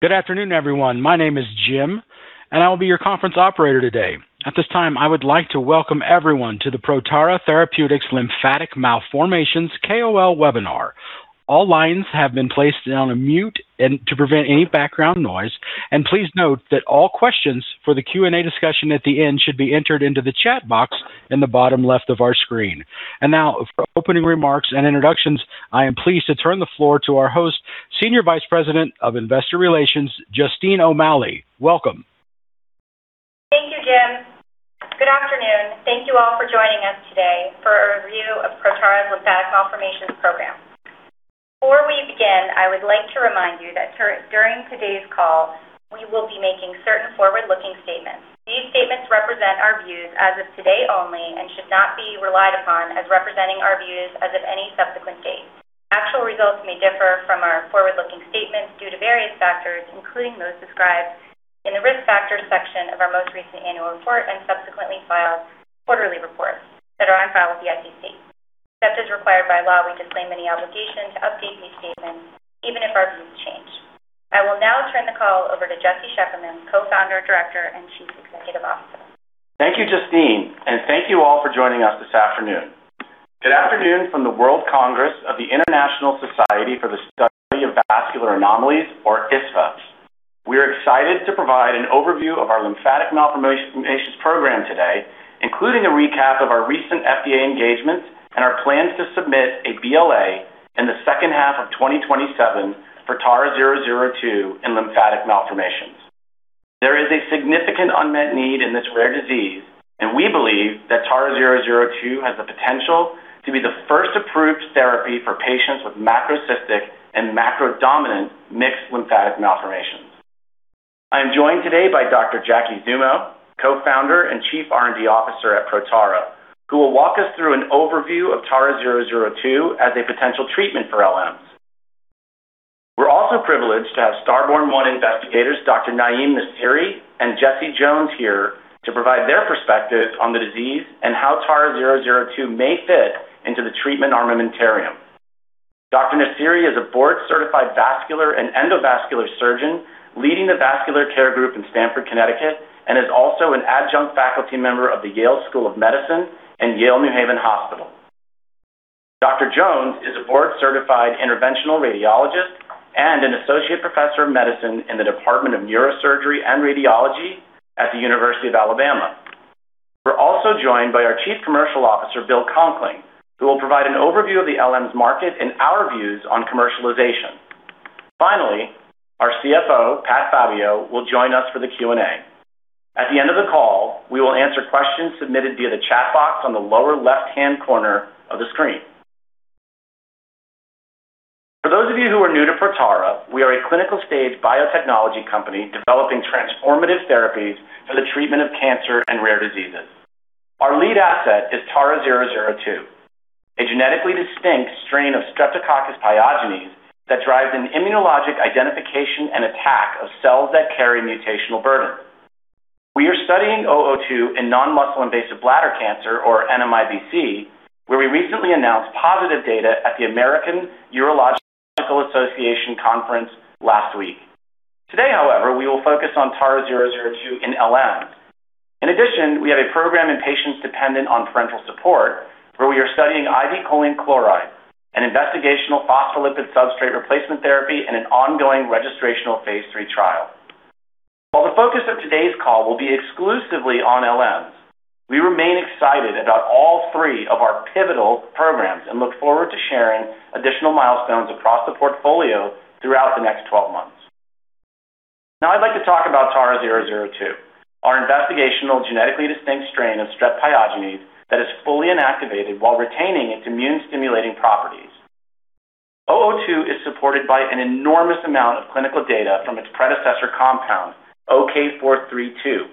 Good afternoon, everyone. My name is Jim. I will be your conference operator today. At this time, I would like to welcome everyone to the Protara Therapeutics Lymphatic Malformations KOL Webinar. All lines have been placed on a mute and to prevent any background noise. Please note that all questions for the Q&A discussion at the end should be entered into the chat box in the bottom left of our screen. Now, for opening remarks and introductions, I am pleased to turn the floor to our host, Senior Vice President of Investor Relations, Justine O'Malley. Welcome. Thank you, Jim. Good afternoon. Thank you all for joining us today for a review of Protara's lymphatic malformations program. Before we begin, I would like to remind you that during today's call, we will be making certain forward-looking statements. These statements represent our views as of today only should not be relied upon as representing our views as of any subsequent date. Actual results may differ from our forward-looking statements due to various factors, including those described in the Risk Factors section of our most recent annual report and subsequently filed quarterly reports that are on file with the SEC. Except as required by law, we disclaim any obligation to update these statements, even if our views change. I will now turn the call over to Jesse Shefferman, Co-founder, Director, and Chief Executive Officer. Thank you, Justine, and thank you all for joining us this afternoon. Good afternoon from the World Congress of the International Society for the Study of Vascular Anomalies, or ISSVA. We are excited to provide an overview of our lymphatic malformations program today, including a recap of our recent FDA engagements and our plans to submit a BLA in the second half of 2027 for TARA-002 in lymphatic malformations. There is a significant unmet need in this rare disease. We believe that TARA-002 has the potential to be the first approved therapy for patients with macrocystic and macrodominant mixed lymphatic malformations. I am joined today by Dr. Jacqueline Zummo, Co-founder and Chief R&D Officer at Protara, who will walk us through an overview of TARA-002 as a potential treatment for LMs. We're also privileged to have STARBORN-1 investigators Dr. Naiem Nassiri and Jesse G.A. Jones here to provide their perspective on the disease and how TARA-002 may fit into the treatment armamentarium. Dr. Nassiri is a board-certified vascular and endovascular surgeon leading The Vascular Care Group in Stamford, Connecticut, and is also an adjunct faculty member of the Yale School of Medicine and Yale New Haven Hospital. Dr. Jones is a board-certified interventional radiologist and an associate professor of medicine in the Department of Neurosurgery and Radiology at the University of Alabama at Birmingham. We're also joined by our Chief Commercial Officer, Bill Conkling, who will provide an overview of the LMs market and our views on commercialization. Finally, our CFO, Patrick Fabbio, will join us for the Q&A. At the end of the call, we will answer questions submitted via the chat box on the lower left-hand corner of the screen. For those of you who are new to Protara, we are a clinical-stage biotechnology company developing transformative therapies for the treatment of cancer and rare diseases. Our lead asset is TARA-002, a genetically distinct strain of Streptococcus pyogenes that drives an immunologic identification and attack of cells that carry mutational burden. We are studying 002 in non-muscle invasive bladder cancer, or NMIBC, where we recently announced positive data at the American Urological Association conference last week. Today, however, we will focus on TARA-002 in LMs. In addition, we have a program in patients dependent on parenteral support where we are studying IV choline chloride, an investigational phospholipid substrate replacement therapy in an ongoing registrational phase III trial. While the focus of today's call will be exclusively on LMs, we remain excited about all three of our pivotal programs and look forward to sharing additional milestones across the portfolio throughout the next 12 months. Now I'd like to talk about TARA-002, our investigational genetically distinct strain of Strep pyogenes that is fully inactivated while retaining its immune-stimulating properties. 002 is supported by an enormous amount of clinical data from its predecessor compound, OK-432,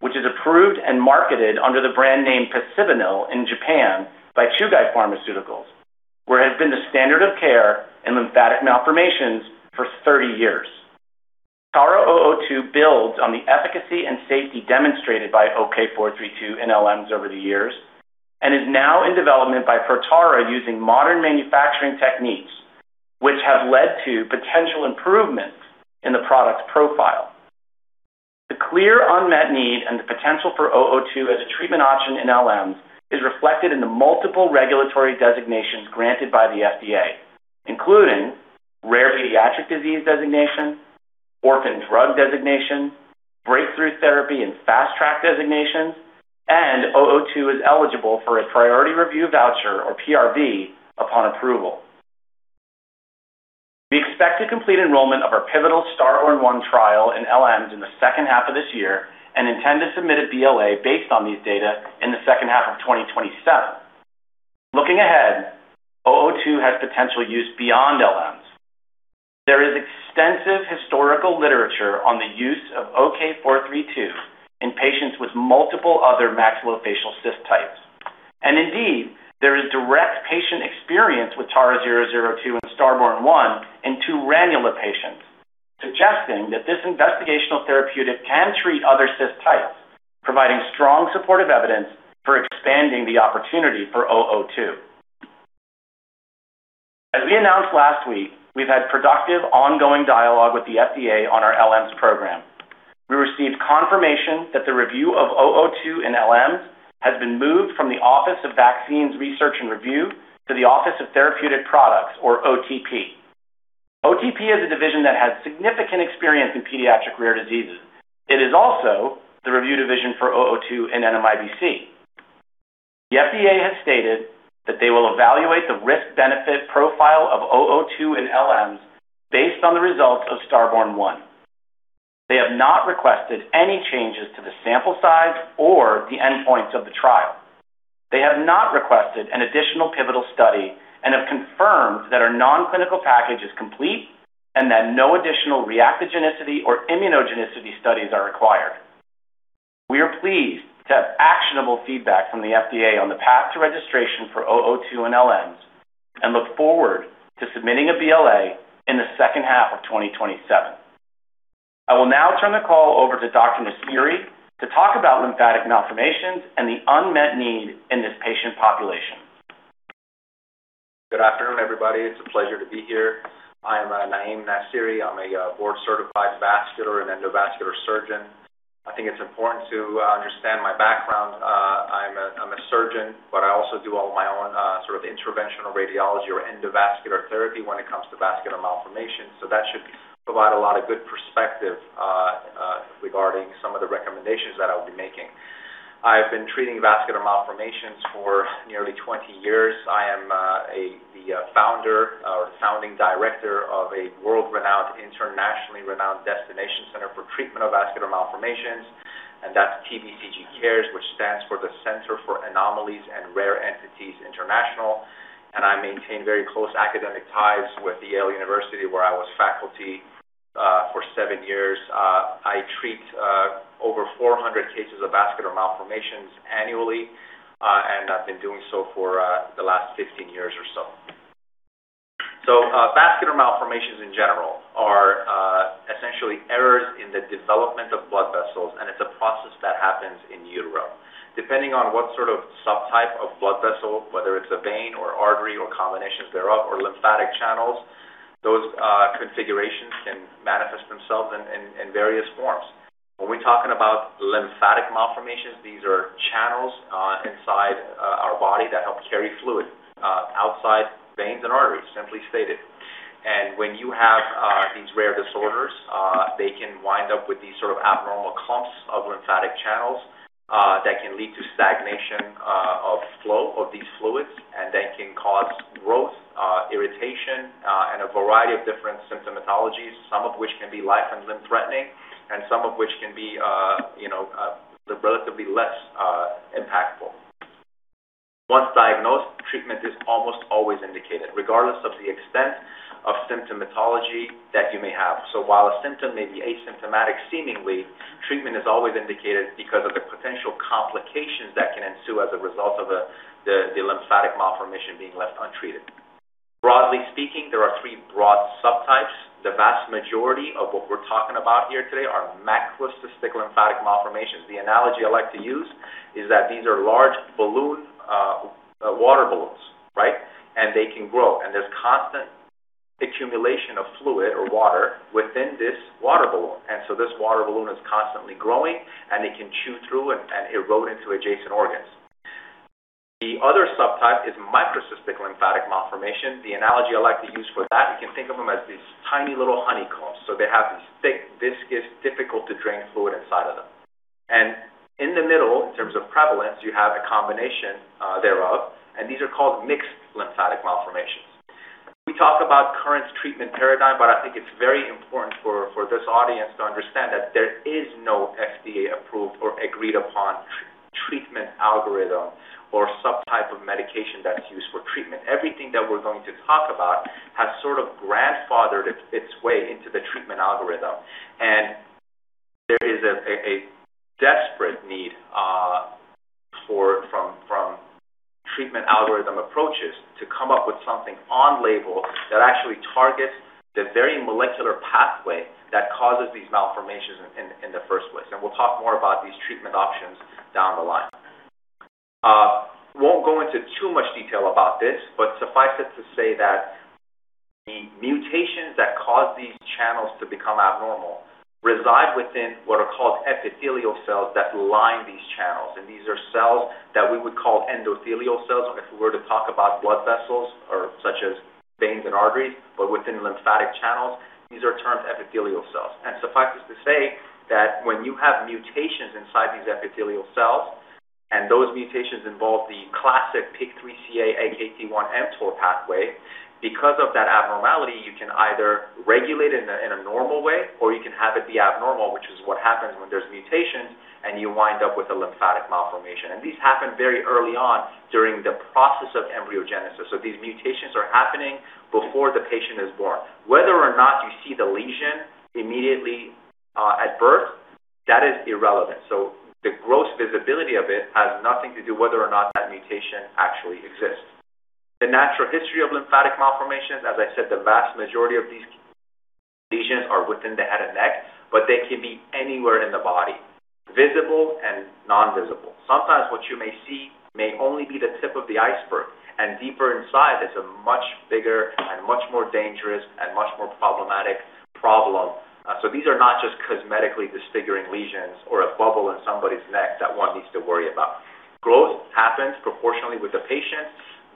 which is approved and marketed under the brand name Picibanil in Japan by Chugai Pharmaceuticals, where it has been the standard of care in lymphatic malformations for 30 years. TARA-002 builds on the efficacy and safety demonstrated by OK-432 in LMs over the years and is now in development by Protara using modern manufacturing techniques, which have led to potential improvements in the product's profile. The clear unmet need and the potential for 002 as a treatment option in LMs is reflected in the multiple regulatory designations granted by the FDA, including Rare Pediatric Disease Designation, Orphan Drug Designation, Breakthrough Therapy and Fast Track designations, and 002 is eligible for a Priority Review Voucher or PRV upon approval. We expect to complete enrollment of our pivotal STARBORN-1 trial in LMs in the second half of this year and intend to submit a BLA based on these data in the second half of 2027. Looking ahead, 002 has potential use beyond LMs. There is extensive historical literature on the use of OK-432 in patients with multiple other maxillofacial cyst types. Indeed, there is direct patient experience with TARA-002 in STARBORN-1 in two ranula patients, suggesting that this investigational therapeutic can treat other cyst types, providing strong supportive evidence for expanding the opportunity for 002. As we announced last week, we've had productive ongoing dialogue with the FDA on our LMs program. We received confirmation that the review of 002 in LMs has been moved from the Office of Vaccines Research and Review to the Office of Therapeutic Products, or OTP. OTP is a division that has significant experience in pediatric rare diseases. It is also the review division for 002 and NMIBC. The FDA has stated that they will evaluate the risk-benefit profile of 002 and LMs based on the results of STARBORN-1. They have not requested any changes to the sample size or the endpoints of the trial. They have not requested an additional pivotal study and have confirmed that our non-clinical package is complete and that no additional reactogenicity or immunogenicity studies are required. We are pleased to have actionable feedback from the FDA on the path to registration for 002 and LMs and look forward to submitting a BLA in the second half of 2027. I will now turn the call over to Dr. Nassiri to talk about lymphatic malformations and the unmet need in this patient population. Good afternoon, everybody. It's a pleasure to be here. I am Naiem Nassiri. I'm a board-certified vascular and endovascular surgeon. I think it's important to understand my background. I'm a surgeon, but I also do all my own sort of interventional radiology or endovascular therapy when it comes to vascular malformations. That should provide a lot of good perspective regarding some of the recommendations that I'll be making. I've been treating vascular malformations for nearly 20 years. I am the founder or founding director of a world-renowned, internationally renowned destination center for treatment of vascular malformations, and that's TVCG CARES, which stands for the Center for Anomalies and Rare Entities International. I maintain very close academic ties with Yale University, where I was faculty for seven years. I treat over 400 cases of vascular malformations annually, and I've been doing so for the last 15 years or so. Vascular malformations, in general, are essentially errors in the development of blood vessels, and it's a process that happens in utero. Depending on what sort of subtype of blood vessel, whether it's a vein or artery or combinations thereof or lymphatic channels, those configurations can manifest themselves in various forms. When we're talking about lymphatic malformations, these are channels inside our body that help carry fluid outside veins and arteries, simply stated. When you have these rare disorders, they can wind up with these sort of abnormal clumps of lymphatic channels, that can lead to stagnation of flow of these fluids, and that can cause growth, irritation, and a variety of different symptomatologies, some of which can be life and limb-threatening and some of which can be, you know, relatively less impactful. Once diagnosed, treatment is almost always indicated regardless of the extent of symptomatology that you may have. While a symptom may be asymptomatic seemingly, treatment is always indicated because of the potential complications that can ensue as a result of the lymphatic malformation being left untreated. Broadly speaking, there are three broad subtypes. The vast majority of what we're talking about here today are macrocystic lymphatic malformations. The analogy I like to use is that these are large balloon water balloons, right? They can grow, and there's constant accumulation of fluid or water within this water balloon. This water balloon is constantly growing, and it can chew through and erode into adjacent organs. The other subtype is microcystic lymphatic malformation. The analogy I like to use for that, you can think of them as these tiny little honeycombs. They have this thick, viscous, difficult-to-drain fluid inside of them. In the middle, in terms of prevalence, you have a combination thereof, and these are called mixed lymphatic malformations. We talk about current treatment paradigm, but I think it's very important for this audience to understand that there is no FDA-approved or agreed-upon treatment algorithm or subtype of medication that's used for treatment. Everything that we're going to talk about has sort of grandfathered its way into the treatment algorithm. There is a desperate need from treatment algorithm approaches to come up with something on label that actually targets the very molecular pathway that causes these malformations in the first place. We'll talk more about these treatment options down the line. Won't go into too much detail about this, but suffice it to say that the mutations that cause these channels to become abnormal reside within what are called epithelial cells that line these channels, and these are cells that we would call endothelial cells if we were to talk about blood vessels or such as veins and arteries. Within lymphatic channels, these are termed epithelial cells. Suffice it to say that when you have mutations inside these epithelial cells, and those mutations involve the classic PI3K/AKT/mTOR pathway, because of that abnormality, you can either regulate in a normal way or you can have it be abnormal, which is what happens when there's mutations, and you wind up with a lymphatic malformation. These happen very early on during the process of embryogenesis. These mutations are happening before the patient is born. Whether or not you see the lesion immediately at birth, that is irrelevant. The gross visibility of it has nothing to do whether or not that mutation actually exists. The natural history of lymphatic malformations, as I said, the vast majority of these lesions are within the head and neck, but they can be anywhere in the body, visible and non-visible. Sometimes what you may see may only be the tip of the iceberg, and deeper inside, it's a much bigger and much more dangerous and much more problematic problem. These are not just cosmetically disfiguring lesions or a bubble in somebody's neck that one needs to worry about. Growth happens proportionally with the patient.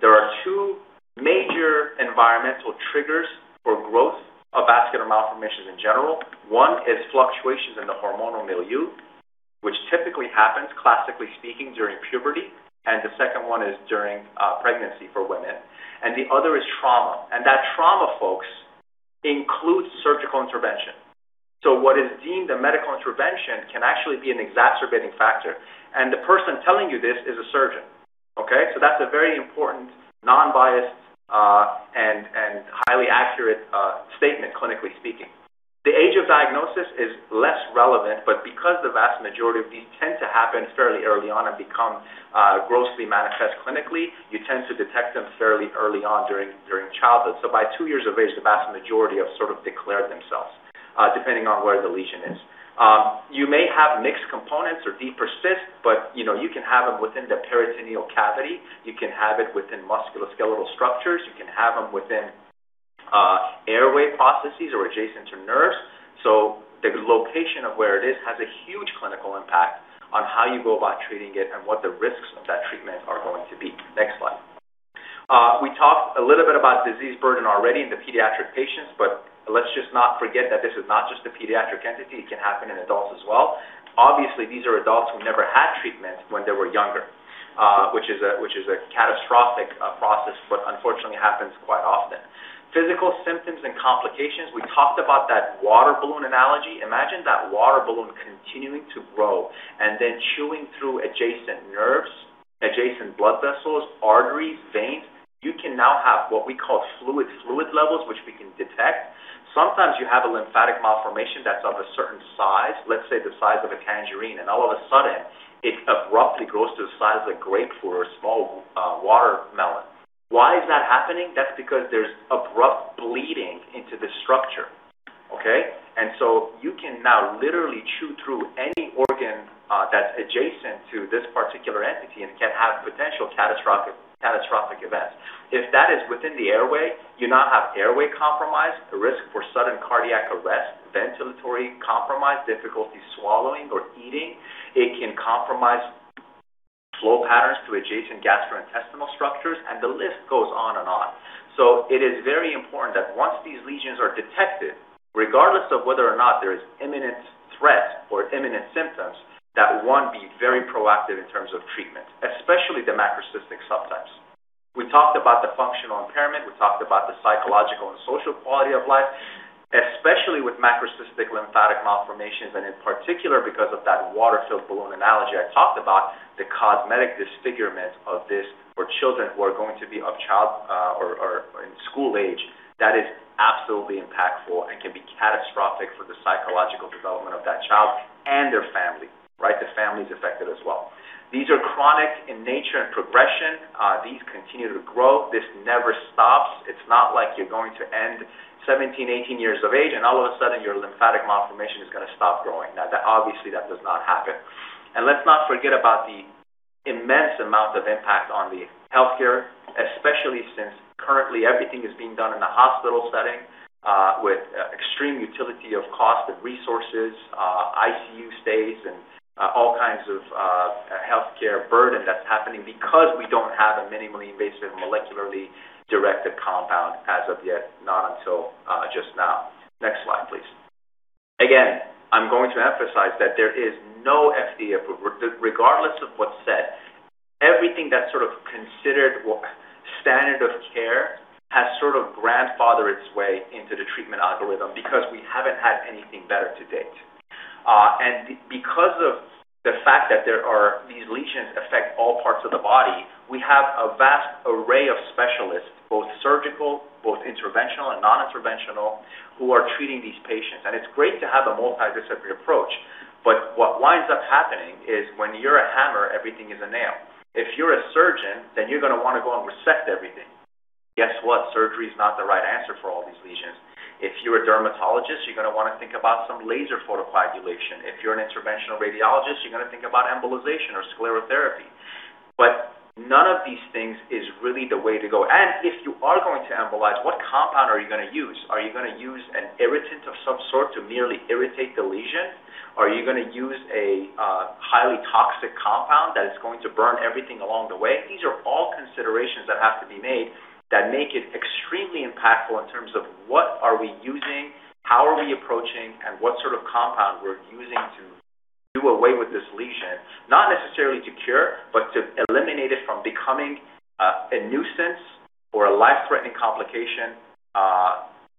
There are two major environmental triggers for growth of vascular malformations in general. One is fluctuations in the hormonal milieu, which typically happens, classically speaking, during puberty, and the second one is during pregnancy for women. The other is trauma. That trauma, folks, includes surgical intervention. What is deemed a medical intervention can actually be an exacerbating factor. The person telling you this is a surgeon, okay. That's a very important, non-biased and highly accurate statement, clinically speaking. The age of diagnosis is less relevant, but because the vast majority of these tend to happen fairly early on and become grossly manifest clinically, you tend to detect them fairly early on during childhood. By two years of age, the vast majority have sort of declared themselves depending on where the lesion is. You may have mixed components or deeper cysts, but, you know, you can have them within the peritoneal cavity. You can have it within musculoskeletal structures. You can have them within airway processes or adjacent to nerves. The location of where it is has a huge clinical impact on how you go about treating it and what the risks of that treatment are going to be. Next slide. We talked a little bit about disease burden already in the pediatric patients. Let's just not forget that this is not just a pediatric entity. It can happen in adults as well. Obviously, these are adults who never had treatment when they were younger, which is a catastrophic process, but unfortunately happens quite often. Physical symptoms and complications. We talked about that water balloon analogy. Imagine that water balloon continuing to grow and then chewing through adjacent nerves, adjacent blood vessels, arteries, veins. You can now have what we call fluid levels, which we can detect. Sometimes you have a lymphatic malformation that's of a certain size, let's say the size of a tangerine, and all of a sudden it abruptly grows to the size of a grapefruit or a small watermelon. Why is that happening? That's because there's abrupt bleeding into the structure, okay? You can now literally chew through any organ that's adjacent to this particular entity and can have potential catastrophic events. If that is within the airway, you now have airway compromise, the risk for sudden cardiac arrest, ventilatory compromise, difficulty swallowing or eating. It can compromise flow patterns to adjacent gastrointestinal structures. The list goes on and on. It is very important that once these lesions are detected, regardless of whether or not there is imminent threat or imminent symptoms, that one, be very proactive in terms of treatment, especially the macrocystic subtypes. We talked about the functional impairment. We talked about the psychological and social quality of life, especially with macrocystic lymphatic malformations, and in particular, because of that water-filled balloon analogy I talked about, the cosmetic disfigurement of this for children who are going to be of child, or in school age, that is absolutely impactful and can be catastrophic for the psychological development of that child and their family, right? The family is affected as well. These are chronic in nature and progression. These continue to grow. This never stops. It's not like you're going to end 17, 18 years of age, and all of a sudden your lymphatic malformation is gonna stop growing. That obviously, that does not happen. Let's not forget about the immense amount of impact on the healthcare, especially since currently everything is being done in a hospital setting, with extreme utility of cost and resources, ICU stays and all kinds of healthcare burden that's happening because we don't have a minimally invasive molecularly directed compound as of yet, not until just now. Next slide, please. I'm going to emphasize that there is no FDA approval. Regardless of what's said, everything that's sort of considered standard of care has sort of grandfathered its way into the treatment algorithm because we haven't had anything better to date. Because of the fact that there are these lesions affect all parts of the body, we have a vast array of specialists, both surgical, both interventional and non-interventional, who are treating these patients. It's great to have a multidisciplinary approach. What winds up happening is when you're a hammer, everything is a nail. If you're a surgeon, then you're gonna wanna go and resect everything. Guess what? Surgery is not the right answer for all these lesions. If you're a dermatologist, you're gonna wanna think about some laser photocoagulation. If you're an interventional radiologist, you're gonna think about embolization or sclerotherapy. None of these things is really the way to go. If you are going to embolize, what compound are you gonna use? Are you gonna use an irritant of some sort to merely irritate the lesion? Are you gonna use a highly toxic compound that is going to burn everything along the way? These are all considerations that have to be made that make it extremely impactful in terms of what are we using, how are we approaching, and what sort of compound we're using to do away with this lesion. Not necessarily to cure, but to eliminate it from becoming a nuisance or a life-threatening complication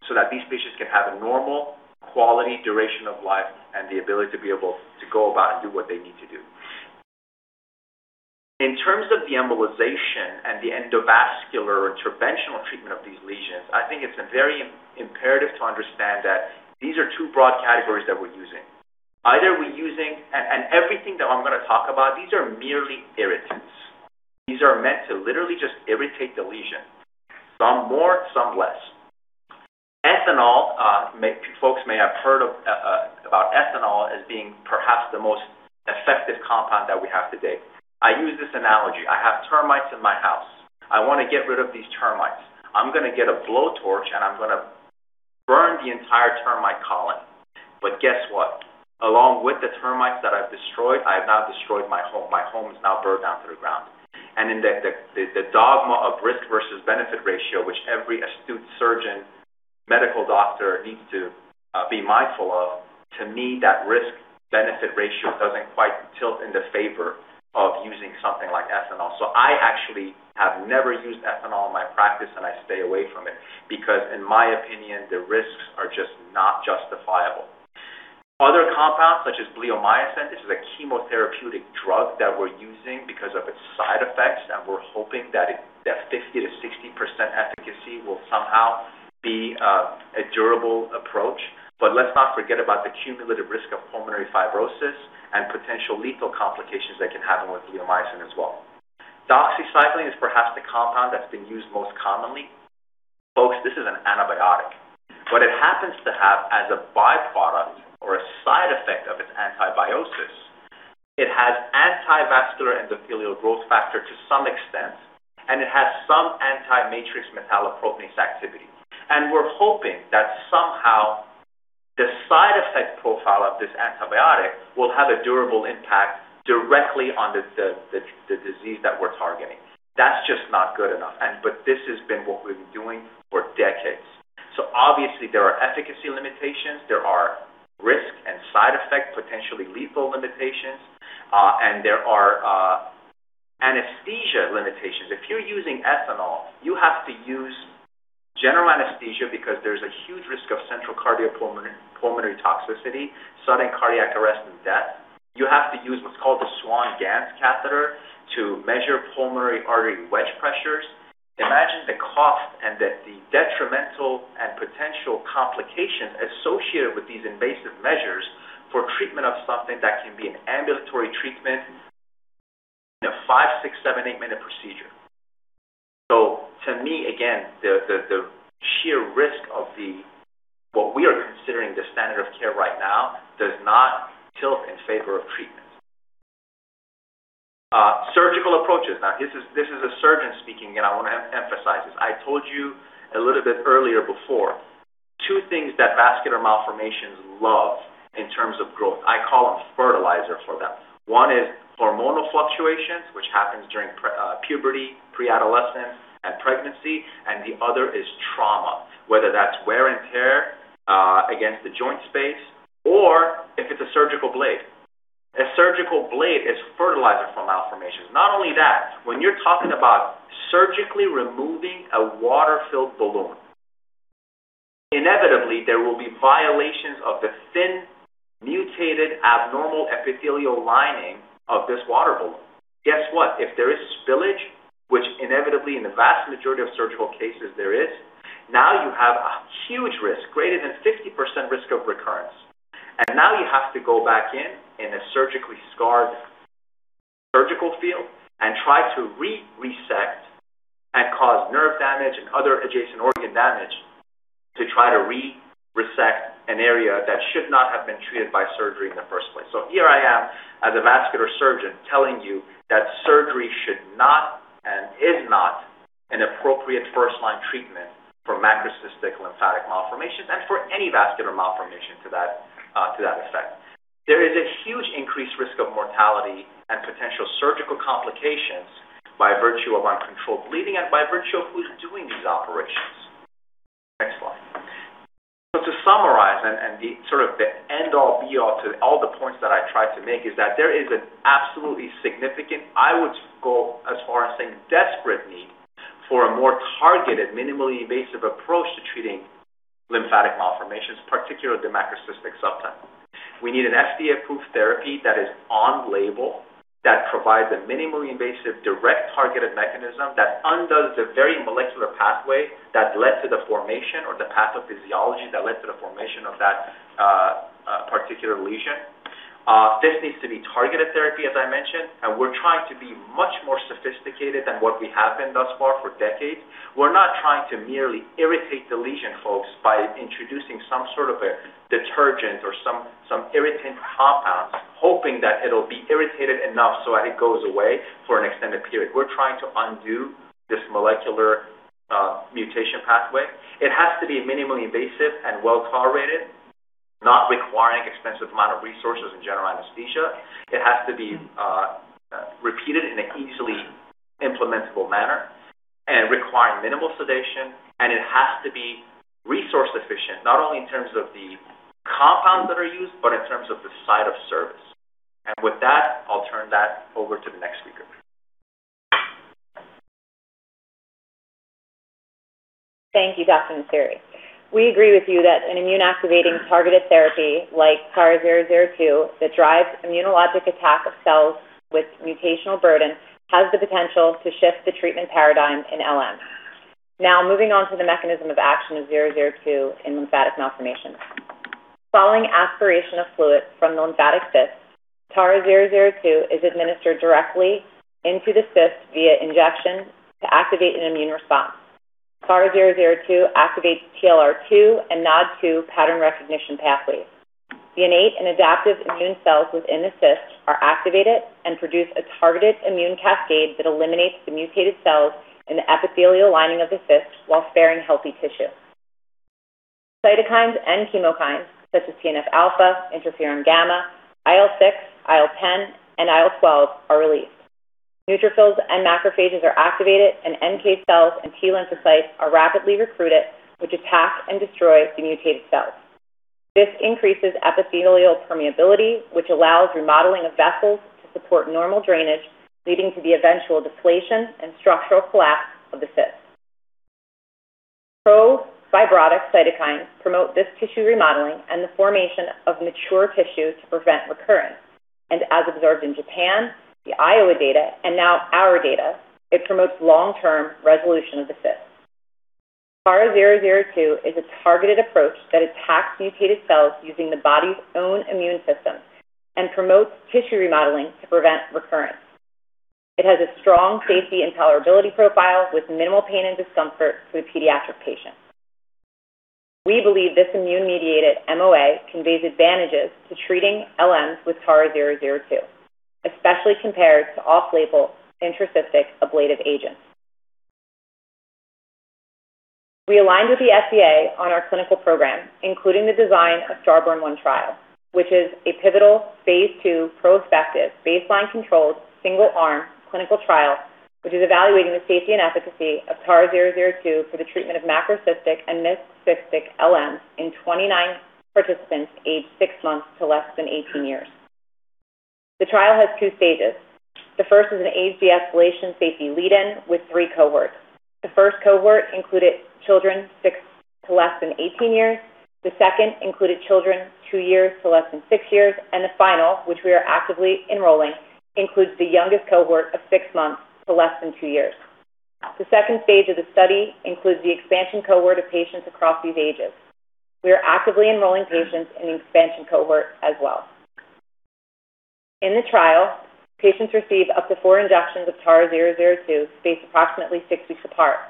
so that these patients can have a normal quality, duration of life and the ability to be able to go about and do what they need to do. In terms of the embolization and the endovascular interventional treatment of these lesions, I think it's very imperative to understand that these are two broad categories that we're using. Either we're using and everything that I'm gonna talk about, these are merely irritants. These are meant to literally just irritate the lesion, some more, some less. Ethanol, folks may have heard of about ethanol as being perhaps the most effective compound that we have today. I use this analogy. I have termites in my house. I wanna get rid of these termites. I'm gonna get a blowtorch, I'm gonna burn the entire termite colony. Guess what? Along with the termites that I've destroyed, I have now destroyed my home. My home is now burned down to the ground. In the dogma of risk versus benefit ratio, which every astute surgeon, medical doctor needs to be mindful of, to me, that risk-benefit ratio doesn't quite tilt into favor of using something like ethanol. I actually have never used ethanol in my practice, and I stay away from it because in my opinion, the risks are just not justifiable. Other compounds such as bleomycin, this is a chemotherapeutic drug that we're using because of its side effects, and we're hoping that 50%-60% efficacy will somehow be a durable approach. Let's not forget about the cumulative risk of pulmonary fibrosis and potential lethal complications that can happen with bleomycin as well. doxycycline is perhaps the compound that's been used most commonly. Folks, this is an antibiotic. What it happens to have as a by-product or a side effect of its antibiosis, it has anti-vascular endothelial growth factor to some extent, and it has some anti-matrix metalloproteinase activity. We're hoping that somehow the side effect profile of this antibiotic will have a durable impact directly on the disease that we're targeting. That's just not good enough. This has been what we've been doing for decades. Obviously, there are efficacy limitations. There are risk and side effect, potentially lethal limitations, and there are anesthesia limitations. If you're using ethanol, you have to use general anesthesia because there's a huge risk of central pulmonary toxicity, sudden cardiac arrest, and death. You have to use what's called the Swan-Ganz catheter to measure pulmonary artery wedge pressures. Imagine the cost and the detrimental and potential complication associated with these invasive measures for treatment of something that can be an ambulatory treatment in a five, six, seven, eight-minute procedure. To me, again, the sheer risk of the what we are considering the standard of care right now does not tilt in favor of treatment. Surgical approaches. This is a surgeon speaking, and I wanna emphasize this. I told you a little bit earlier before, two things that vascular malformations love in terms of growth. I call them fertilizer for them. One is hormonal fluctuations, which happens during puberty, pre-adolescence, and pregnancy. The other is trauma, whether that's wear and tear, against the joint space or if it's a surgical blade. A surgical blade is fertilizer for malformations. Not only that, when you're talking about surgically removing a water-filled balloon, inevitably there will be violations of the thin, mutated, abnormal epithelial lining of this water balloon. Guess what? If there is spillage, which inevitably in the vast majority of surgical cases there is, now you have a huge risk, greater than 50% risk of recurrence. Now you have to go back in in a surgically scarred surgical field and try to re-resect and cause nerve damage and other adjacent organ damage to try to re-resect an area that should not have been treated by surgery in the first place. Here I am as a vascular surgeon telling you that surgery should not and is not an appropriate first-line treatment for macrocystic lymphatic malformations and for any vascular malformation to that effect. There is a huge increased risk of mortality and potential surgical complications by virtue of uncontrolled bleeding and by virtue of who's doing these operations. Next slide. To summarize, and the sort of the end all be all to all the points that I tried to make is that there is an absolutely significant, I would go as far as saying desperate need for a more targeted, minimally invasive approach to treating lymphatic malformations, particularly the macrocystic subtype. We need an FDA-approved therapy that is on label, that provides a minimally invasive, direct targeted mechanism that undoes the very molecular pathway that led to the formation or the pathophysiology that led to the formation of that particular lesion. This needs to be targeted therapy, as I mentioned. We're trying to be much more sophisticated than what we have been thus far for decades. We're not trying to merely irritate the lesion, folks, by introducing some sort of a detergent or some irritant compound, hoping that it'll be irritated enough so that it goes away for an extended period. We're trying to undo this molecular mutation pathway. It has to be minimally invasive and well-tolerated, not requiring expensive amount of resources and general anesthesia. It has to be repeated in an easily implementable manner and require minimal sedation. It has to be resource efficient, not only in terms of the compounds that are used, but in terms of the site of service. With that, I'll turn that over to the next speaker. Thank you, Dr. Nassiri. We agree with you that an immune-activating targeted therapy like TARA-002 that drives immunologic attack of cells with mutational burden has the potential to shift the treatment paradigm in LMs. Now, moving on to the mechanism of action of TARA-002 in lymphatic malformations. Following aspiration of fluids from the lymphatic cyst, TARA-002 is administered directly into the cyst via injection to activate an immune response. TARA-002 activates TLR2 and NOD2 pattern recognition pathways. The innate and adaptive immune cells within the cyst are activated and produce a targeted immune cascade that eliminates the mutated cells in the epithelial lining of the cyst while sparing healthy tissue. Cytokines and chemokines, such as TNFα, interferon-gamma, IL-6, IL-10, and IL-12 are released. Neutrophils and macrophages are activated, and NK cells and T lymphocytes are rapidly recruited, which attack and destroy the mutated cells. This increases epithelial permeability, which allows remodeling of vessels to support normal drainage, leading to the eventual deflation and structural collapse of the cyst. Pro-fibrotic cytokines promote this tissue remodeling and the formation of mature tissue to prevent recurrence. As observed in Japan, the Iowa data, and now our data, it promotes long-term resolution of the cyst. TARA-002 is a targeted approach that attacks mutated cells using the body's own immune system and promotes tissue remodeling to prevent recurrence. It has a strong safety and tolerability profile with minimal pain and discomfort for the pediatric patient. We believe this immune-mediated MOA conveys advantages to treating LMs with TARA-002, especially compared to off-label intracystic ablative agents. We aligned with the FDA on our clinical program, including the design of STARBORN-1 trial, which is a pivotal phase II prospective baseline-controlled single-arm clinical trial, which is evaluating the safety and efficacy of TARA-002 for the treatment of macrocystic and mixed cystic LMs in 29 participants aged six months to less than 18 years. The trial has two stages. The first is an age de-escalation safety lead-in with three cohorts. The first cohort included children six to less than 18 years. The second included children two years to less than six years. The final, which we are actively enrolling, includes the youngest cohort of six months to less than two years. The second phase of the study includes the expansion cohort of patients across these ages. We are actively enrolling patients in the expansion cohort as well. In the trial, patients receive up to four injections of TARA-002 spaced approximately six weeks apart.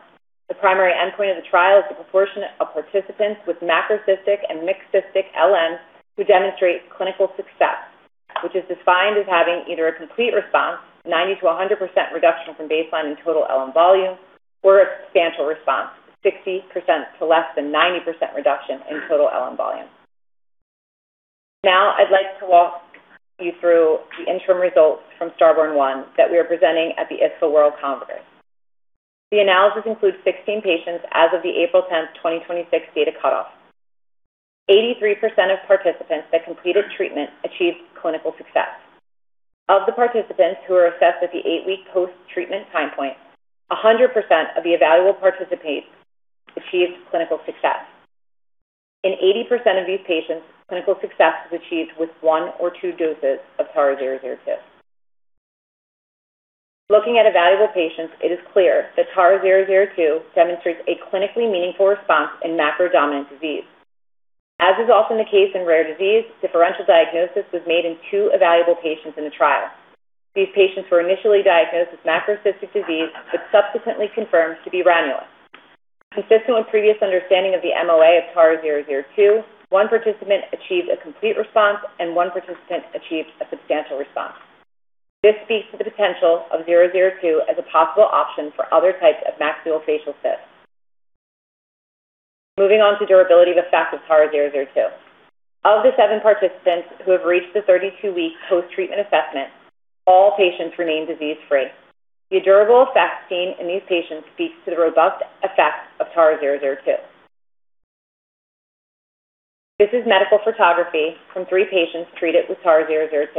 The primary endpoint of the trial is the proportion of participants with macrocystic and mixed cystic LMs who demonstrate clinical success, which is defined as having either a complete response, 90%-100% reduction from baseline in total LM volume, or a substantial response, 60% to less than 90% reduction in total LM volume. I'd like to walk you through the interim results from STARBORN-1 that we are presenting at the ISSVA World Congress. The analysis includes 16 patients as of the April 10, 2026 data cutoff. 83% of participants that completed treatment achieved clinical success. Of the participants who were assessed at the eight-week post-treatment time point, 100% of the evaluable participants achieved clinical success. In 80% of these patients, clinical success was achieved with one or two doses of TARA-002. Looking at evaluable patients, it is clear that TARA-002 demonstrates a clinically meaningful response in macro-dominant disease. As is often the case in rare disease, differential diagnosis was made in two evaluable patients in the trial. These patients were initially diagnosed with macrocystic disease but subsequently confirmed to be ranula. Consistent with previous understanding of the MOA of TARA-002, one participant achieved a complete response and one participant achieved a substantial response. This speaks to the potential of 002 as a possible option for other types of maxillofacial cysts. Moving on to durability of effect of TARA-002. Of the seven participants who have reached the 32-week post-treatment assessment, all patients remain disease-free. The durable effect seen in these patients speaks to the robust effects of TARA-002. This is medical photography from three patients treated with TARA-002.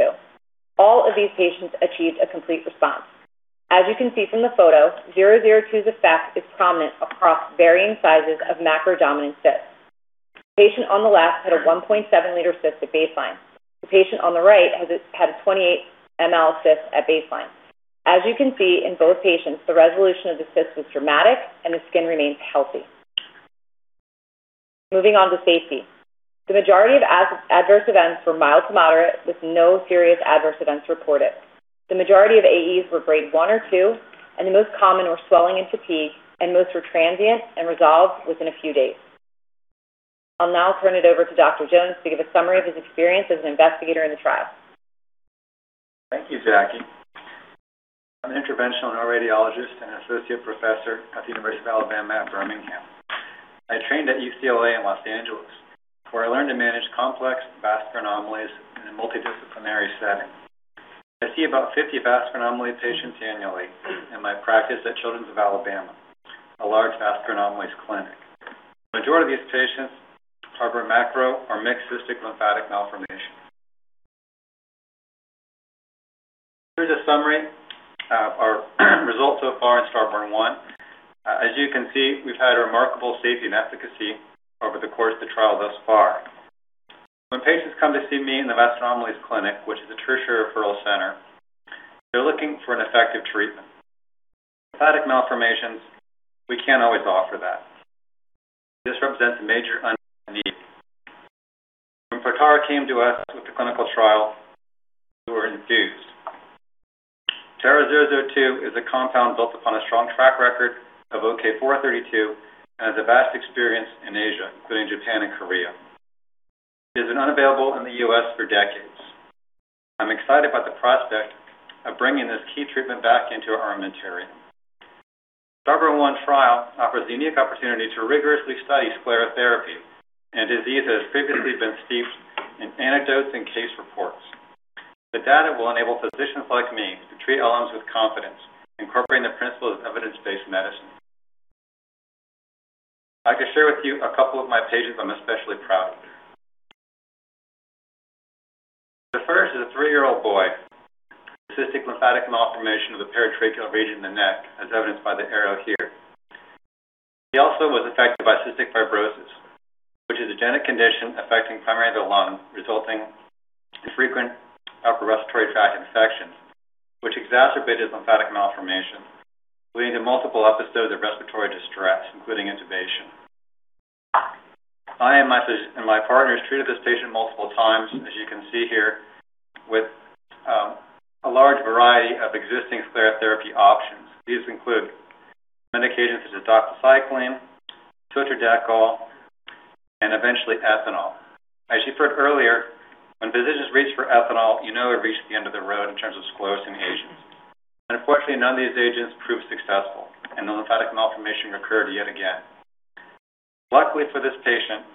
All of these patients achieved a complete response. As you can see from the photo, TARA-002's effect is prominent across varying sizes of macro-dominant cysts. The patient on the left had a 1.7 liter cyst at baseline. The patient on the right had a 28 mm cyst at baseline. As you can see, in both patients, the resolution of the cyst was dramatic and the skin remains healthy. Moving on to safety. The majority of adverse events were mild to moderate with no serious adverse events reported. The majority of AEs were grade 1 or 2, and the most common were swelling and fatigue, and most were transient and resolved within a few days. I'll now turn it over to Dr. Jones to give a summary of his experience as an investigator in the trial. Thank you, Jacqueline. I'm an interventional neuroradiologist and associate professor at the University of Alabama at Birmingham. I trained at UCLA in Los Angeles, where I learned to manage complex vascular anomalies in a multidisciplinary setting. I see about 50 vascular anomaly patients annually in my practice at Children's of Alabama, a large vascular anomalies clinic. The majority of these patients harbor macro or mixed cystic lymphatic malformation. Here's a summary of our results so far in STARBORN-1. As you can see, we've had remarkable safety and efficacy over the course of the trial thus far. When patients come to see me in the vascular anomalies clinic, which is a tertiary referral center, they're looking for an effective treatment. Lymphatic malformations, we can't always offer that. This represents a major unmet need. When Protara came to us with the clinical trial, we were enthused. TARA-002 is a compound built upon a strong track record of OK-432 and has a vast experience in Asia, including Japan and Korea. It has been unavailable in the U.S. for decades. I'm excited about the prospect of bringing this key treatment back into our armamentarium. STARBORN-1 trial offers the unique opportunity to rigorously study sclerotherapy in a disease that has previously been steeped in anecdotes and case reports. The data will enable physicians like me to treat LMs with confidence, incorporating the principles of evidence-based medicine. I'd like to share with you a couple of my patients I'm especially proud of. The first is a three-year-old boy with a cystic lymphatic malformation of the paratracheal region of the neck, as evidenced by the arrow here. He also was affected by cystic fibrosis, which is a genetic condition affecting primarily the lung, resulting in frequent upper respiratory tract infections, which exacerbated lymphatic malformation, leading to multiple episodes of respiratory distress, including intubation. I and my partners treated this patient multiple times, as you can see here, with a large variety of existing sclerotherapy options. These include medications such as doxycycline, Sotradecol, and eventually ethanol. As you've heard earlier, when physicians reach for ethanol, you know we've reached the end of the road in terms of sclerosing agents. Unfortunately, none of these agents proved successful, and the lymphatic malformation recurred yet again. Luckily for this patient,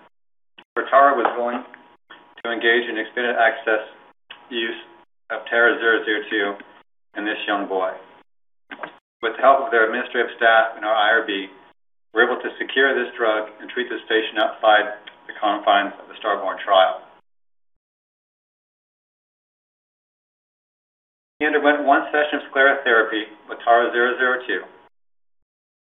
Protara was willing to engage in expanded access use of TARA-002 in this young boy. With the help of their administrative staff and our IRB, we were able to secure this drug and treat this patient outside the confines of the STARBORN trial. He underwent one session of sclerotherapy with TARA-002.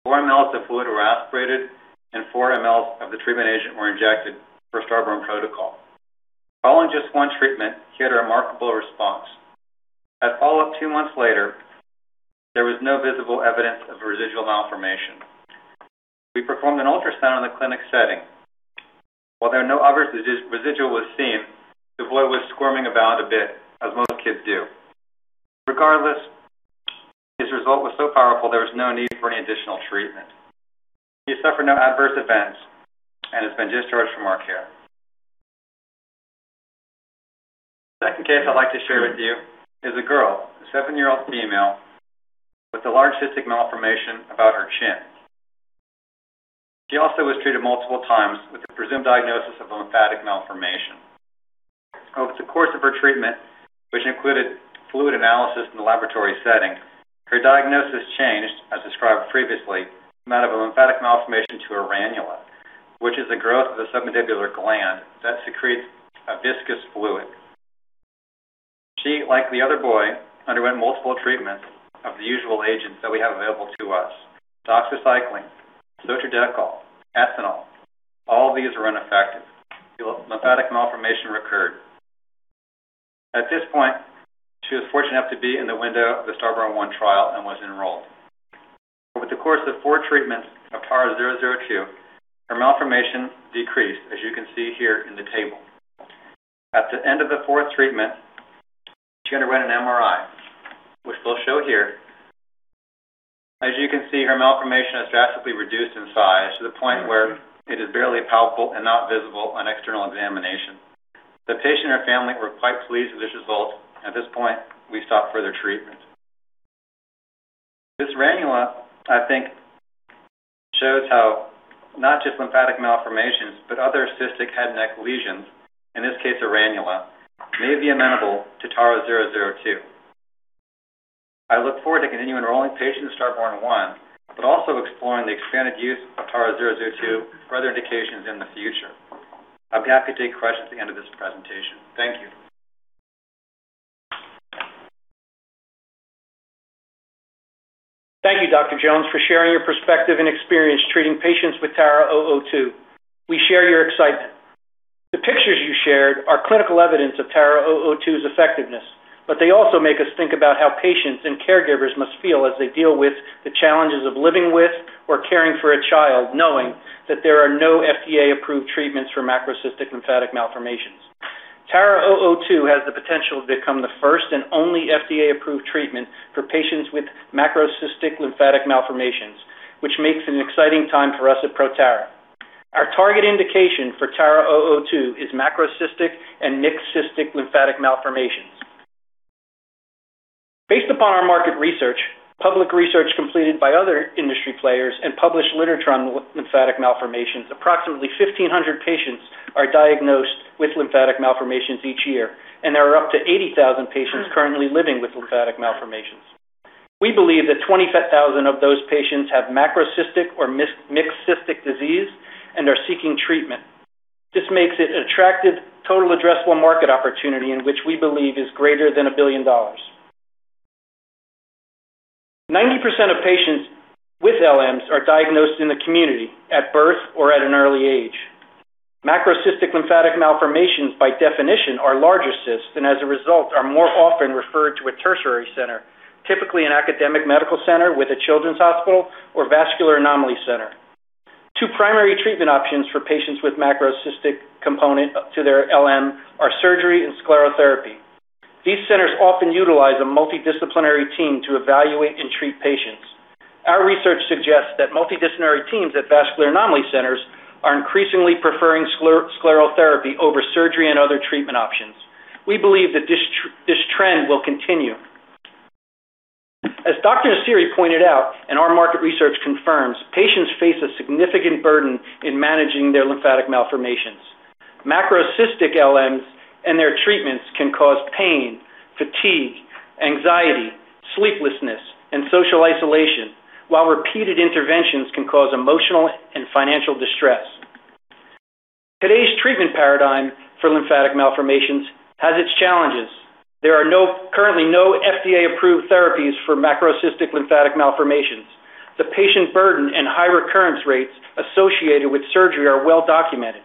4 mls of fluid were aspirated, and 4 mls of the treatment agent were injected per STARBORN protocol. Following just one treatment, he had a remarkable response. At follow-up two months later, there was no visible evidence of a residual malformation. We performed an ultrasound in the clinic setting. While there no other residual was seen, the boy was squirming about a bit, as most kids do. Regardless, his result was so powerful there was no need for any additional treatment. He has suffered no adverse events and has been discharged from our care. The second case I'd like to share with you is a girl, a seven-year-old female, with a large cystic malformation about her chin. She also was treated multiple times with the presumed diagnosis of a lymphatic malformation. Over the course of her treatment, which included fluid analysis in the laboratory setting, her diagnosis changed, as described previously, from that of a lymphatic malformation to a ranula, which is the growth of the submandibular gland that secretes a viscous fluid. She, like the other boy, underwent multiple treatments of the usual agents that we have available to us. doxycycline, Sotradecol, ethanol. All of these were ineffective. The lymphatic malformation recurred. At this point, she was fortunate enough to be in the window of the STARBORN-1 trial and was enrolled. Over the course of four treatments of TARA-002, her malformation decreased, as you can see here in the table. At the end of the fourth treatment, she underwent an MRI, which we'll show here. As you can see, her malformation has drastically reduced in size to the point where it is barely palpable and not visible on external examination. The patient and her family were quite pleased with this result. At this point, we stopped further treatment. This ranula, I think, shows how not just lymphatic malformations, but other cystic head and neck lesions, in this case a ranula, may be amenable to TARA-002. I look forward to continuing enrolling patients in STARBORN-1, but also exploring the expanded use of TARA-002 for other indications in the future. I'd be happy to take questions at the end of this presentation. Thank you. Thank you, Dr. Jones, for sharing your perspective and experience treating patients with TARA-002. We share your excitement. The pictures you shared are clinical evidence of TARA-002's effectiveness, but they also make us think about how patients and caregivers must feel as they deal with the challenges of living with or caring for a child, knowing that there are no FDA-approved treatments for macrocystic lymphatic malformations. TARA-002 has the potential to become the first and only FDA-approved treatment for patients with macrocystic lymphatic malformations, which makes an exciting time for us at Protara. Our target indication for TARA-002 is macrocystic and mixed cystic lymphatic malformations. Based upon our market research, public research completed by other industry players, and published literature on lymphatic malformations, approximately 1,500 patients are diagnosed with lymphatic malformations each year, and there are up to 80,000 patients currently living with lymphatic malformations. We believe that 20,000 of those patients have macrocystic or mixed cystic disease and are seeking treatment. This makes it an attractive total addressable market opportunity in which we believe is greater than $1 billion. 90% of patients with LMs are diagnosed in the community at birth or at an early age. Macrocystic lymphatic malformations, by definition, are larger cysts and, as a result, are more often referred to a tertiary center, typically an academic medical center with a children's hospital or vascular anomaly center. Two primary treatment options for patients with macrocystic component up to their LM are surgery and sclerotherapy. These centers often utilize a multidisciplinary team to evaluate and treat patients. Our research suggests that multidisciplinary teams at vascular anomaly centers are increasingly preferring sclerotherapy over surgery and other treatment options. We believe that this trend will continue. As Dr. Nassiri pointed out, and our market research confirms, patients face a significant burden in managing their lymphatic malformations. Macrocystic LMs and their treatments can cause pain, fatigue, anxiety, sleeplessness, and social isolation, while repeated interventions can cause emotional and financial distress. Today's treatment paradigm for lymphatic malformations has its challenges. There are currently no FDA-approved therapies for macrocystic lymphatic malformations. The patient burden and high recurrence rates associated with surgery are well documented.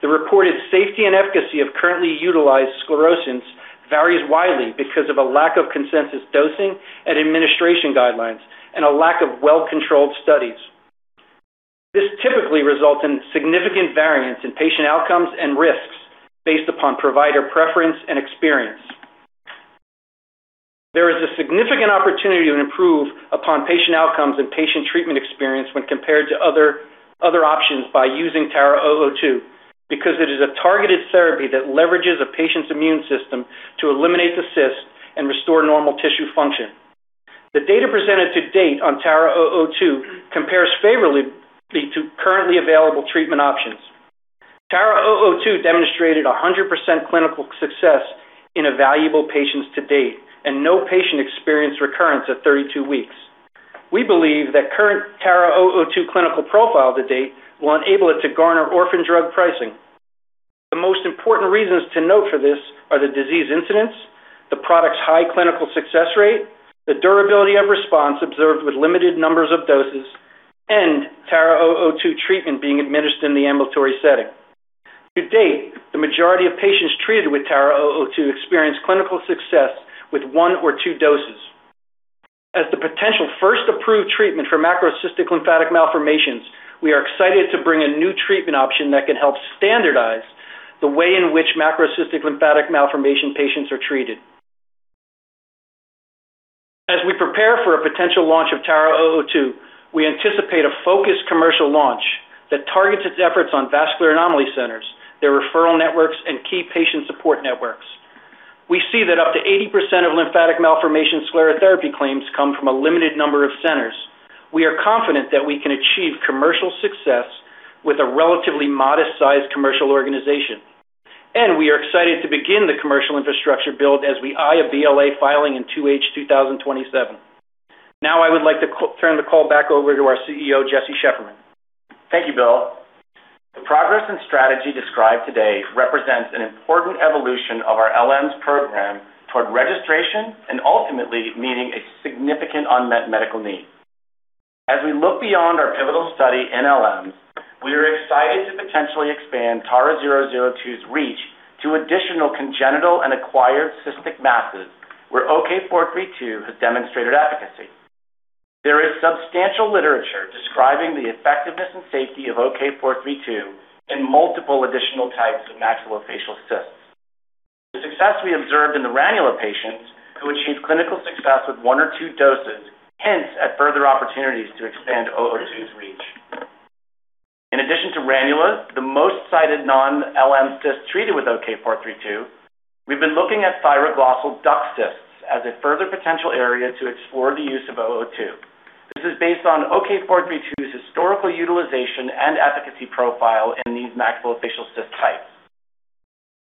The reported safety and efficacy of currently utilized sclerosants varies widely because of a lack of consensus dosing and administration guidelines, and a lack of well-controlled studies. This typically results in significant variance in patient outcomes and risks based upon provider preference and experience. There is a significant opportunity to improve upon patient outcomes and patient treatment experience when compared to other options by using TARA-002 because it is a targeted therapy that leverages a patient's immune system to eliminate the cyst and restore normal tissue function. The data presented to date on TARA-002 compares favorably to currently available treatment options. TARA-002 demonstrated 100% clinical success in evaluable patients to date, and no patient experienced recurrence at 32 weeks. We believe that current TARA-002 clinical profile to date will enable it to garner Orphan Drug pricing. The most important reasons to note for this are the disease incidence, the product's high clinical success rate, the durability of response observed with limited numbers of doses, and TARA-002 treatment being administered in the ambulatory setting. To date, the majority of patients treated with TARA-002 experienced clinical success with one or two doses. As the potential first approved treatment for macrocystic lymphatic malformations, we are excited to bring a new treatment option that can help standardize the way in which macrocystic lymphatic malformation patients are treated. As we prepare for a potential launch of TARA-002, we anticipate a focused commercial launch that targets its efforts on vascular anomaly centers, their referral networks, and key patient support networks. We see that up to 80% of lymphatic malformation sclerotherapy claims come from a limited number of centers. We are confident that we can achieve commercial success with a relatively modest-sized commercial organization, and we are excited to begin the commercial infrastructure build as we eye a BLA filing in 2H 2027. I would like to turn the call back over to our CEO, Jesse Shefferman. Thank you, Bill. The progress and strategy described today represents an important evolution of our LMs program toward registration and, ultimately, meeting a significant unmet medical need. As we look beyond our pivotal study in LMs, we are excited to potentially expand TARA-002's reach to additional congenital and acquired cystic masses where OK-432 has demonstrated efficacy. There is substantial literature describing the effectiveness and safety of OK-432 in multiple additional types of maxillofacial cysts. The success we observed in the ranula patients who achieved clinical success with one or two doses hints at further opportunities to expand 002's reach. In addition to ranula, the most cited non-LM cyst treated with OK-432, we've been looking at thyroglossal duct cysts as a further potential area to explore the use of 002. This is based on OK-432's historical utilization and efficacy profile in these maxillofacial cyst types.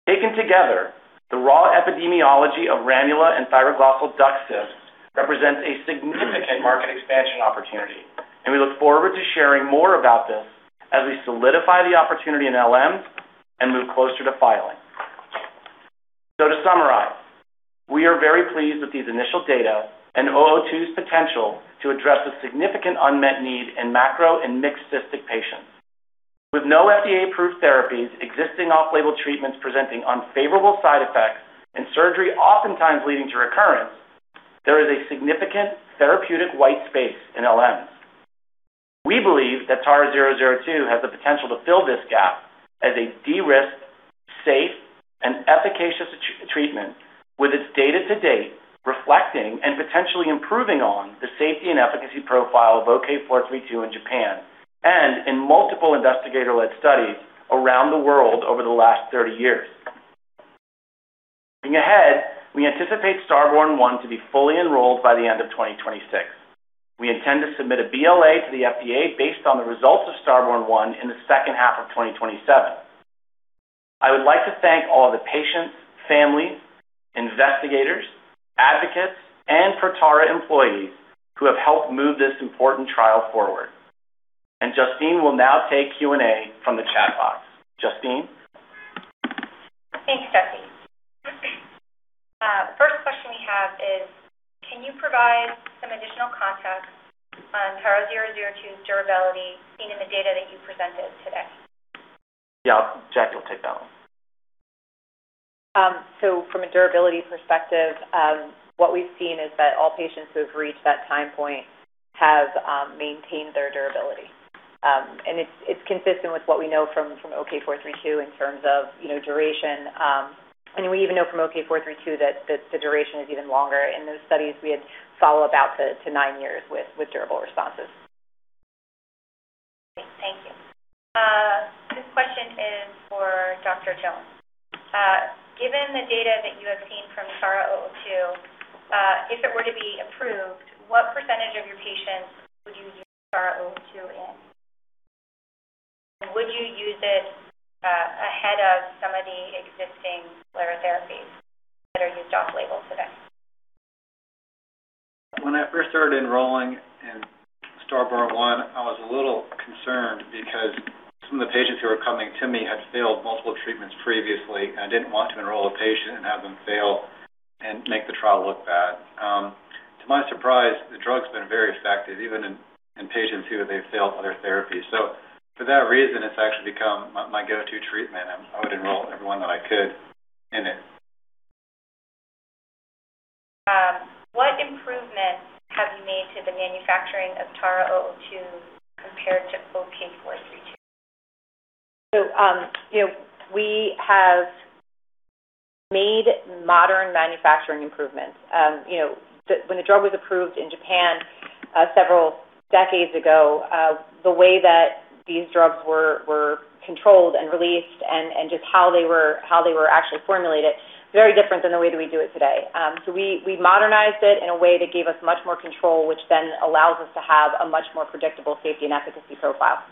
Taken together, the raw epidemiology of ranula and thyroglossal duct cysts represents a significant market expansion opportunity, and we look forward to sharing more about this as we solidify the opportunity in LMs and move closer to filing. To summarize, we are very pleased with these initial data and TARA-002's potential to address a significant unmet need in macro and mixed cystic patients. With no FDA-approved therapies, existing off-label treatments presenting unfavorable side effects, and surgery oftentimes leading to recurrence, there is a significant therapeutic white space in LMs. We believe that TARA-002 has the potential to fill this gap as a de-risked, safe, and efficacious treatment with its data to date reflecting and potentially improving on the safety and efficacy profile of OK-432 in Japan and in multiple investigator-led studies around the world over the last 30 years. Looking ahead, we anticipate STARBORN-1 to be fully enrolled by the end of 2026. We intend to submit a BLA to the FDA based on the results of STARBORN-1 in the second half of 2027. I would like to thank all of the patients, families, investigators, advocates, and Protara employees who have helped move this important trial forward. Justine will now take Q&A from the chat box. Justine? Thanks, Jesse First question we have is can you provide some additional context on TARA-002's durability seen in the data that you presented today. Yeah. Jacqueline will take that one. From a durability perspective, what we've seen is that all patients who have reached that time point have maintained their durability. It's consistent with what we know from OK-432 in terms of, you know, duration. We even know from OK-432 that the duration is even longer. In those studies, we had followed out to nine years with durable responses. Great. Thank you. This question is for Dr. Jones. Given the data that you have seen from TARA-002, if it were to be approved, what percentage of your patients would you use TARA-002 in? Would you use it ahead of some of the existing sclerotherapies that are used off-label today? When I first started enrolling in STARBORN-1, I was a little concerned because some of the patients who were coming to me had failed multiple treatments previously, and I didn't want to enroll a patient and have them fail and make the trial look bad. To my surprise, the drug's been very effective, even in patients who they've failed other therapies. For that reason, it's actually become my go-to treatment, and I would enroll everyone that I could in it. What improvements have you made to the manufacturing of TARA-002 compared to OK-432? You know, we have made modern manufacturing improvements. You know, when the drug was approved in Japan, several decades ago, the way that these drugs were controlled and released and just how they were actually formulated, very different than the way that we do it today. We modernized it in a way that gave us much more control, which then allows us to have a much more predictable safety and efficacy profile.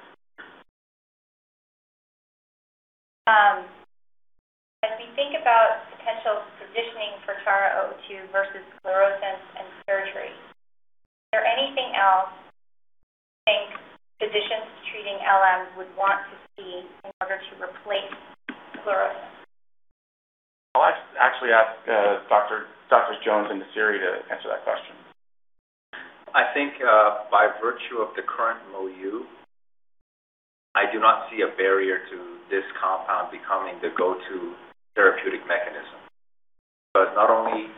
As we think about potential positioning for TARA-002 versus sclerosing and surgery, is there anything else you think physicians treating LMs would want to see in order to replace sclerosing? I'll actually ask Doctors Jones and Nassiri to answer that question. I think, by virtue of the current MOA, I do not see a barrier to this compound becoming the go-to therapeutic mechanism. Not only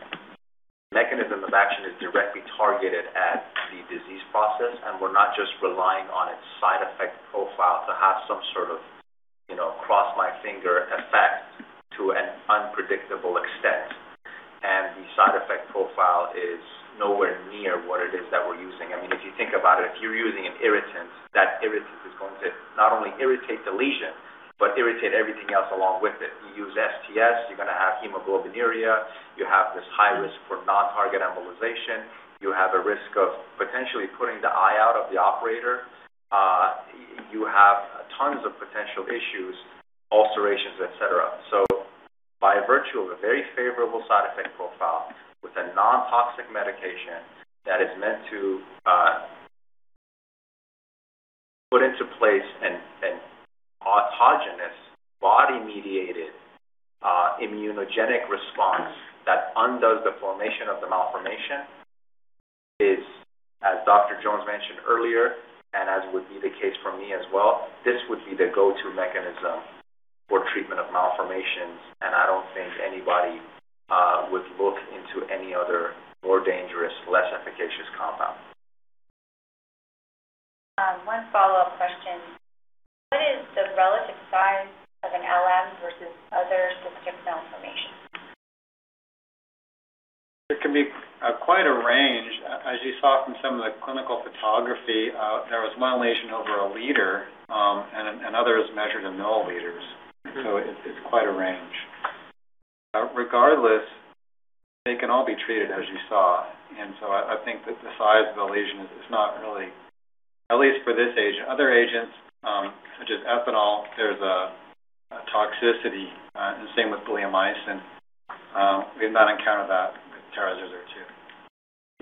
mechanism of action is directly targeted at the disease process, and we're not just relying on its side effect profile to have some sort of, you know, cross my finger effect to an unpredictable extent. The side effect profile is nowhere near what it is that we're using. I mean, if you think about it, if you're using an irritant, that irritant is going to not only irritate the lesion but irritate everything else along with it. You use STS, you're gonna have hemoglobinuria, you have this high risk for non-target embolization. You have a risk of potentially putting the eye out of the operator. You have tons of potential issues, ulcerations, et cetera. By virtue of a very favorable side effect profile with a non-toxic medication that is meant to put into place an autogenous body-mediated immunogenic response that undoes the formation of the malformation is, as Dr. Jones mentioned earlier, and as would be the case for me as well, this would be the go-to mechanism for treatment of malformations. I don't think anybody would look into any other more dangerous, less efficacious compound. One follow-up question. What is the relative size of an LM versus other cystic malformations? It can be quite a range. As you saw from some of the clinical photography, there was one lesion over a liter, and others measured in milliliters. It's quite a range. Regardless, they can all be treated, as you saw. I think that the size of the lesion is not really, at least for this agent. Other agents, such as ethanol, there's a toxicity, and the same with bleomycin. We've not encountered that with TARA-002.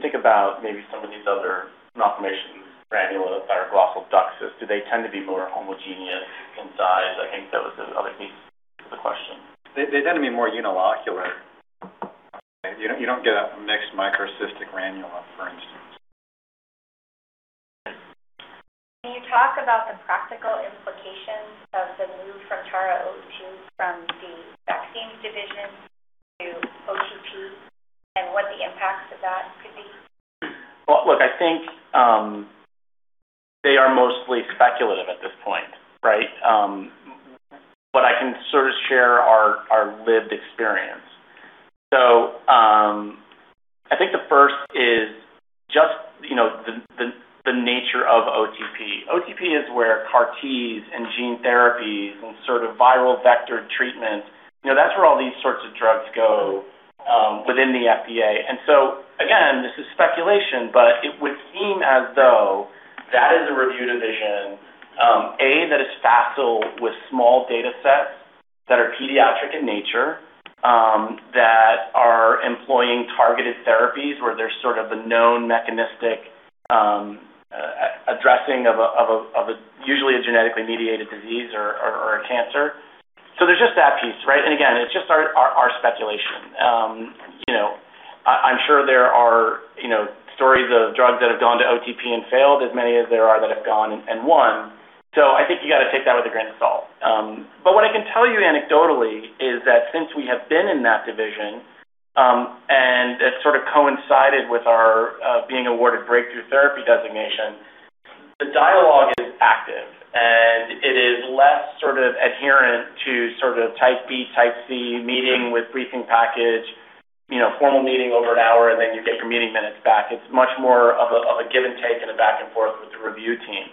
Think about maybe some of these other malformations, thyroglossal duct cysts. Do they tend to be more homogeneous in size? I think that was the other piece of the question. They tend to be more unilocular. You don't get a mixed microcystic granuloma, for instance. Can you talk about the practical implications of the move from TARA-002 from the Vaccine Division to OTP and what the impacts of that could be? Well, look, I think, they are mostly speculative at this point, right? I can sort of share our lived experience. I think the first is just, you know, the nature of OTP. OTP is where CAR Ts and gene therapies and sort of viral vectored treatments, you know, that's where all these sorts of drugs go within the FDA. Again, this is speculation, it would seem as though that is a review division, A, that is facile with small data sets that are pediatric in nature, that are employing targeted therapies where there's sort of a known mechanistic addressing of a, usually a genetically mediated disease or a cancer. There's just that piece, right? Again, it's just our speculation. You know, I'm sure there are, you know, stories of drugs that have gone to OTP and failed as many as there are that have gone and won. I think you gotta take that with a grain of salt. What I can tell you anecdotally is that since we have been in that division, and it sort of coincided with our being awarded Breakthrough Therapy Designation, the dialogue is active, and it is less sort of adherent to sort of type B, type C meeting with briefing package, you know, formal meeting over an hour, and then you get your meeting minutes back. It's much more of a, of a give and take and a back and forth with the review team.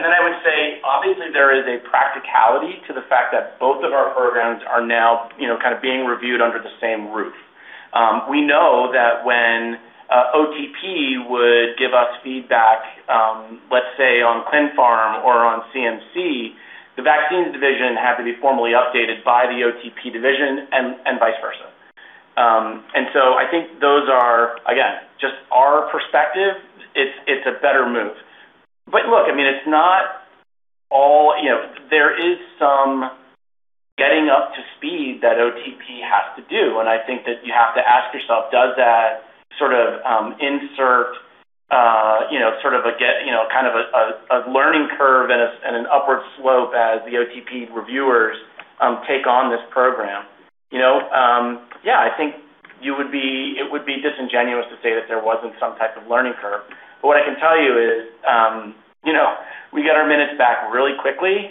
Then I would say, obviously, there is a practicality to the fact that both of our programs are now, you know, kind of being reviewed under the same roof. We know that when OTP would give us feedback, let's say on clin pharm or on CMC, the vaccines division had to be formally updated by the OTP division and vice versa. So I think those are, again, just our perspective. It's a better move. Look, I mean, it's not all You know, there is some getting up to speed that OTP has to do, and I think that you have to ask yourself, does that sort of, you know, sort of a get, you know, kind of a learning curve and an upward slope as the OTP reviewers take on this program? You know, yeah, I think it would be disingenuous to say that there wasn't some type of learning curve. What I can tell you is, you know, we get our minutes back really quickly.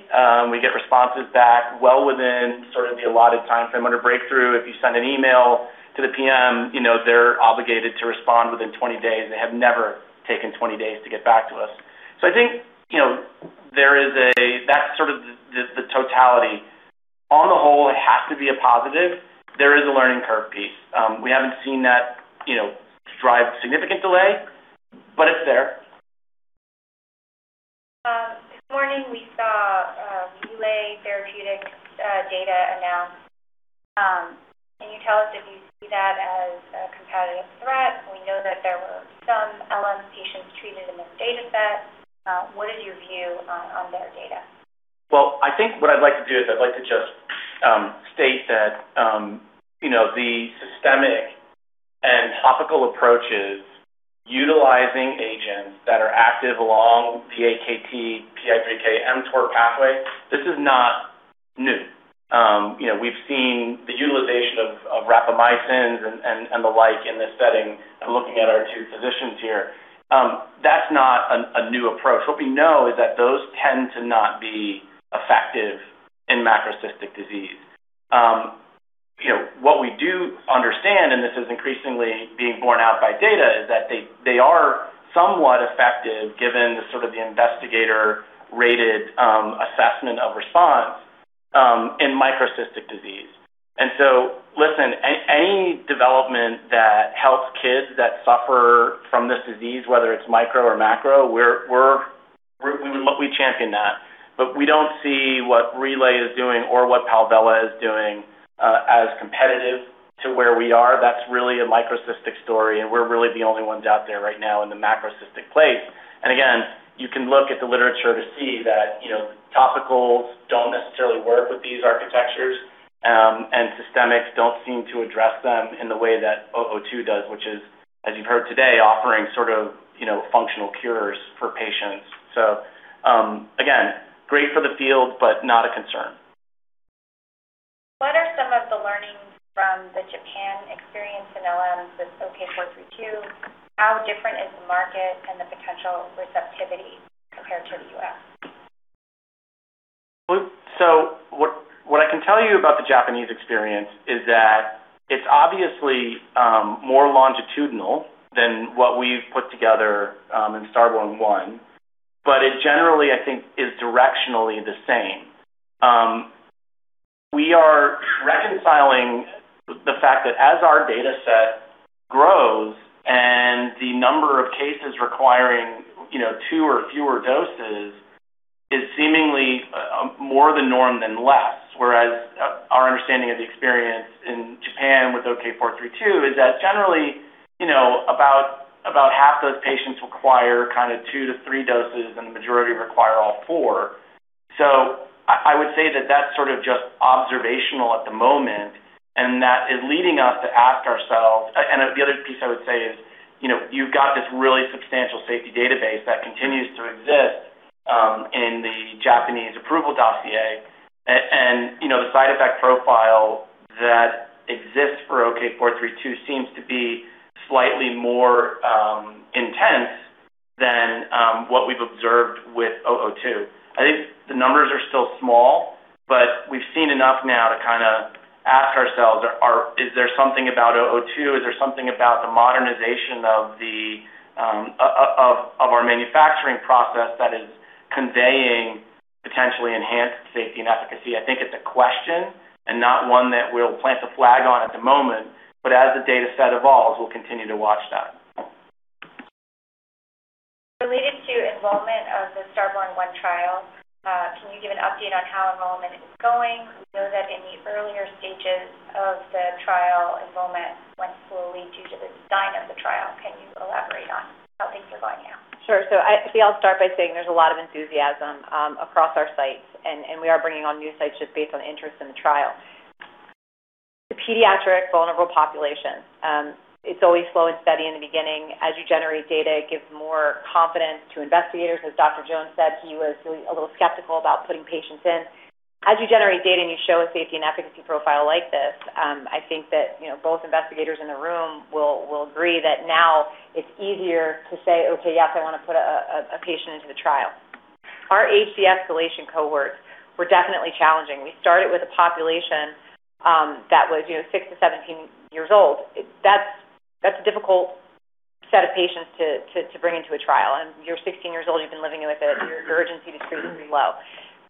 We get responses back well within sort of the allotted timeframe. Under Breakthrough, if you send an email to the PM, you know, they're obligated to respond within 20 days. They have never taken 20 days to get back to us. I think, you know, that's sort of the, the totality. On the whole, it has to be a positive. There is a learning curve piece. We haven't seen that, you know, drive significant delay, but it's there. This morning we saw Relay Therapeutics data announced. Can you tell us if you see that as a competitive threat? We know that there were some LM patients treated in this dataset. What is your view on their data? Well, I think what I'd like to do is I'd like to just state that, you know, the systemic and topical approaches utilizing agents that are active along PI3K/AKT/mTOR pathway, this is not new. You know, we've seen the utilization of rapamycin and the like in this setting and looking at our two positions here. That's not a new approach. What we know is that those tend to not be effective in macrocystic disease. You know, what we do understand, and this is increasingly being borne out by data, is that they are somewhat effective given the sort of the investigator-rated assessment of response in microcystic disease. Listen, any development that helps kids that suffer from this disease, whether it's micro or macro, we're we champion that. We don't see what Relay is doing or what Palvella is doing as competitive to where we are. That's really a microcystic story, and we're really the only ones out there right now in the macrocystic place. Again, you can look at the literature to see that, you know, topicals don't necessarily work with these architectures, and systemics don't seem to address them in the way that 002 does, which is, as you've heard today, offering sort of, you know, functional cures for patients. Again, great for the field, but not a concern. What are some of the learnings from the Japan experience in LMs with OK-432? How different is the market and the potential receptivity compared to the U.S.? What I can tell you about the Japanese experience is that it's obviously more longitudinal than what we've put together in STARBORN-1, it generally, I think, is directionally the same. We are reconciling the fact that as our dataset grows and the number of cases requiring, you know, two or fewer doses is seemingly more the norm than less, whereas our understanding of the experience in Japan with OK-432 is that generally, you know, about half those patients require kind of two to three doses, and the majority require all four. I would say that that's sort of just observational at the moment, and that is leading us to ask ourselves and the other piece I would say is, you know, you've got this really substantial safety database that continues to exist in the Japanese approval dossier. You know, the side effect profile that exists for OK-432 seems to be slightly more intense than what we've observed with TARA-002. I think the numbers are still small, but we've seen enough now to kinda ask ourselves, is there something about TARA-002? Is there something about the modernization of the manufacturing process that is conveying potentially enhanced safety and efficacy? I think it's a question and not one that we'll plant a flag on at the moment. As the dataset evolves, we'll continue to watch that. Related to enrollment of the STARBORN-1 trial, can you give an update on how enrollment is going? We know that in the earlier stages of the trial enrollment, can you elaborate on how things are going now? Sure. I'll start by saying there's a lot of enthusiasm across our sites, and we are bringing on new sites just based on interest in the trial. The pediatric vulnerable population, it's always slow and steady in the beginning. You generate data, it gives more confidence to investigators. Dr. Jones said, he was a little skeptical about putting patients in. You generate data and you show a safety and efficacy profile like this, I think that, you know, both investigators in the room will agree that now it's easier to say, "Okay. Yes, I wanna put a patient into the trial." Our age de-escalation cohorts were definitely challenging. We started with a population, that was, you know, six to 17 years old. That's a difficult set of patients to bring into a trial. You're 16 years old, you've been living with it, your urgency to treat is low.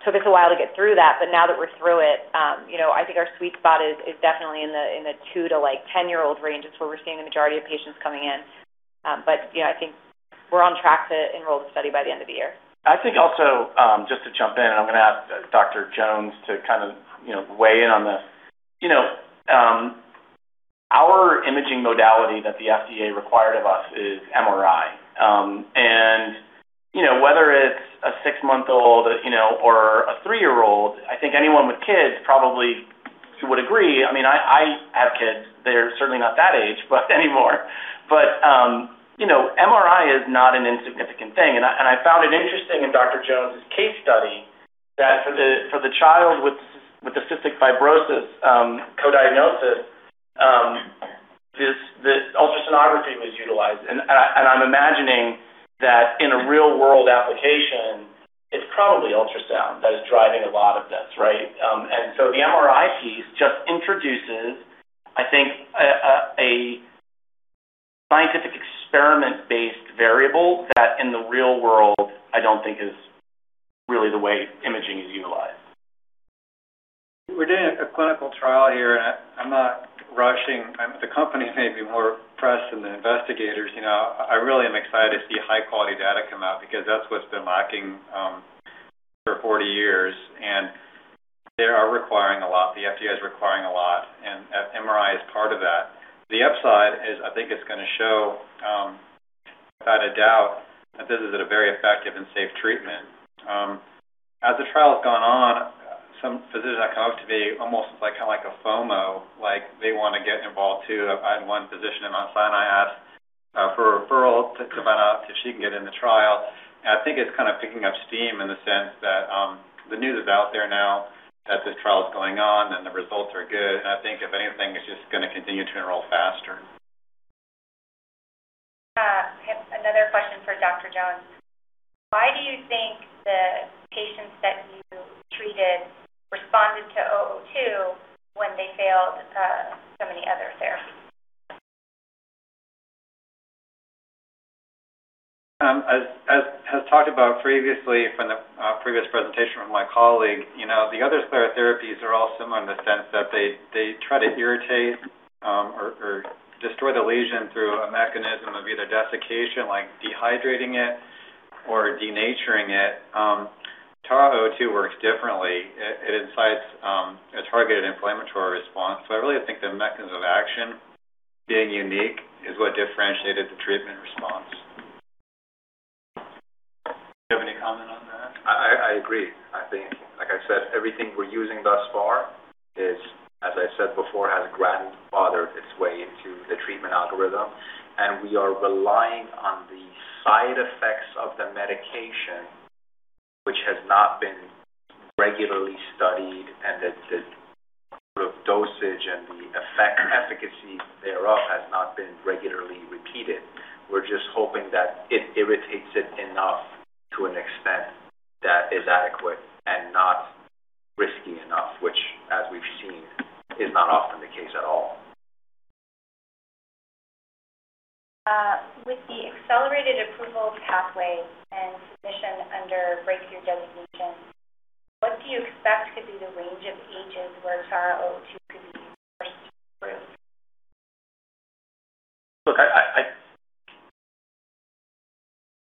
Took us a while to get through that, now that we're through it, you know, I think our sweet spot is definitely in the two to, like, 10-year-old range. That's where we're seeing the majority of patients coming in. You know, I think we're on track to enroll the study by the end of the year. I think also, just to jump in, I'm gonna ask Dr. Jones to kind of, you know, weigh in on this. You know, our imaging modality that the FDA required of us is MRI. You know, whether it's a six-month-old, you know, or a three-year-old, I think anyone with kids probably would agree. I mean, I have kids. They're certainly not that age anymore. You know, MRI is not an insignificant thing, and I, and I found it interesting in Dr. Jones's case study that for the child with the cystic fibrosis co-diagnosis, the ultrasonography was utilized. I, and I'm imagining that in a real-world application, it's probably ultrasound that is driving a lot of this, right? The MRI piece just introduces, I think, a scientific experiment-based variable that in the real world I don't think is really the way imaging is utilized. We're doing a clinical trial here, and I'm not rushing. The company may be more pressed than the investigators. You know, I really am excited to see high-quality data come out because that's what's been lacking for 40 years, and they are requiring a lot. The FDA is requiring a lot, and MRI is part of that. The upside is I think it's gonna show without a doubt that this is a very effective and safe treatment. As the trial's gone on, some physicians that come up to me almost it's like kind of like a FOMO. They wanna get involved too. I had one physician in Mount Sinai ask for a referral to come on out, if she can get in the trial. I think it's kind of picking up steam in the sense that the news is out there now that this trial is going on, and the results are good. I think if anything, it's just gonna continue to enroll faster. Another question for Dr. Jones. Why do you think the patients that you treated responded to TARA-002 when they failed so many other therapies? As, as has talked about previously from the previous presentation with my colleague, you know, the other therapies are all similar in the sense that they try to irritate, or destroy the lesion through a mechanism of either desiccation, like dehydrating it or denaturing it. TARA-002 works differently. It, it incites a targeted inflammatory response. I really think the mechanism of action being unique is what differentiated the treatment response. Do you have any comment on that? I agree. I think, like I said, everything we're using thus far is, as I said before, has grandfathered its way into the treatment algorithm. We are relying on the side effects of the medication which has not been regularly studied and that the sort of dosage and the effect efficacy thereof has not been regularly repeated. We're just hoping that it irritates it enough to an extent that is adequate and not risky enough, which as we've seen is not often the case at all. With the accelerated approval pathway and submission under Breakthrough Designation, what do you expect could be the range of ages where TARA-002 could be used?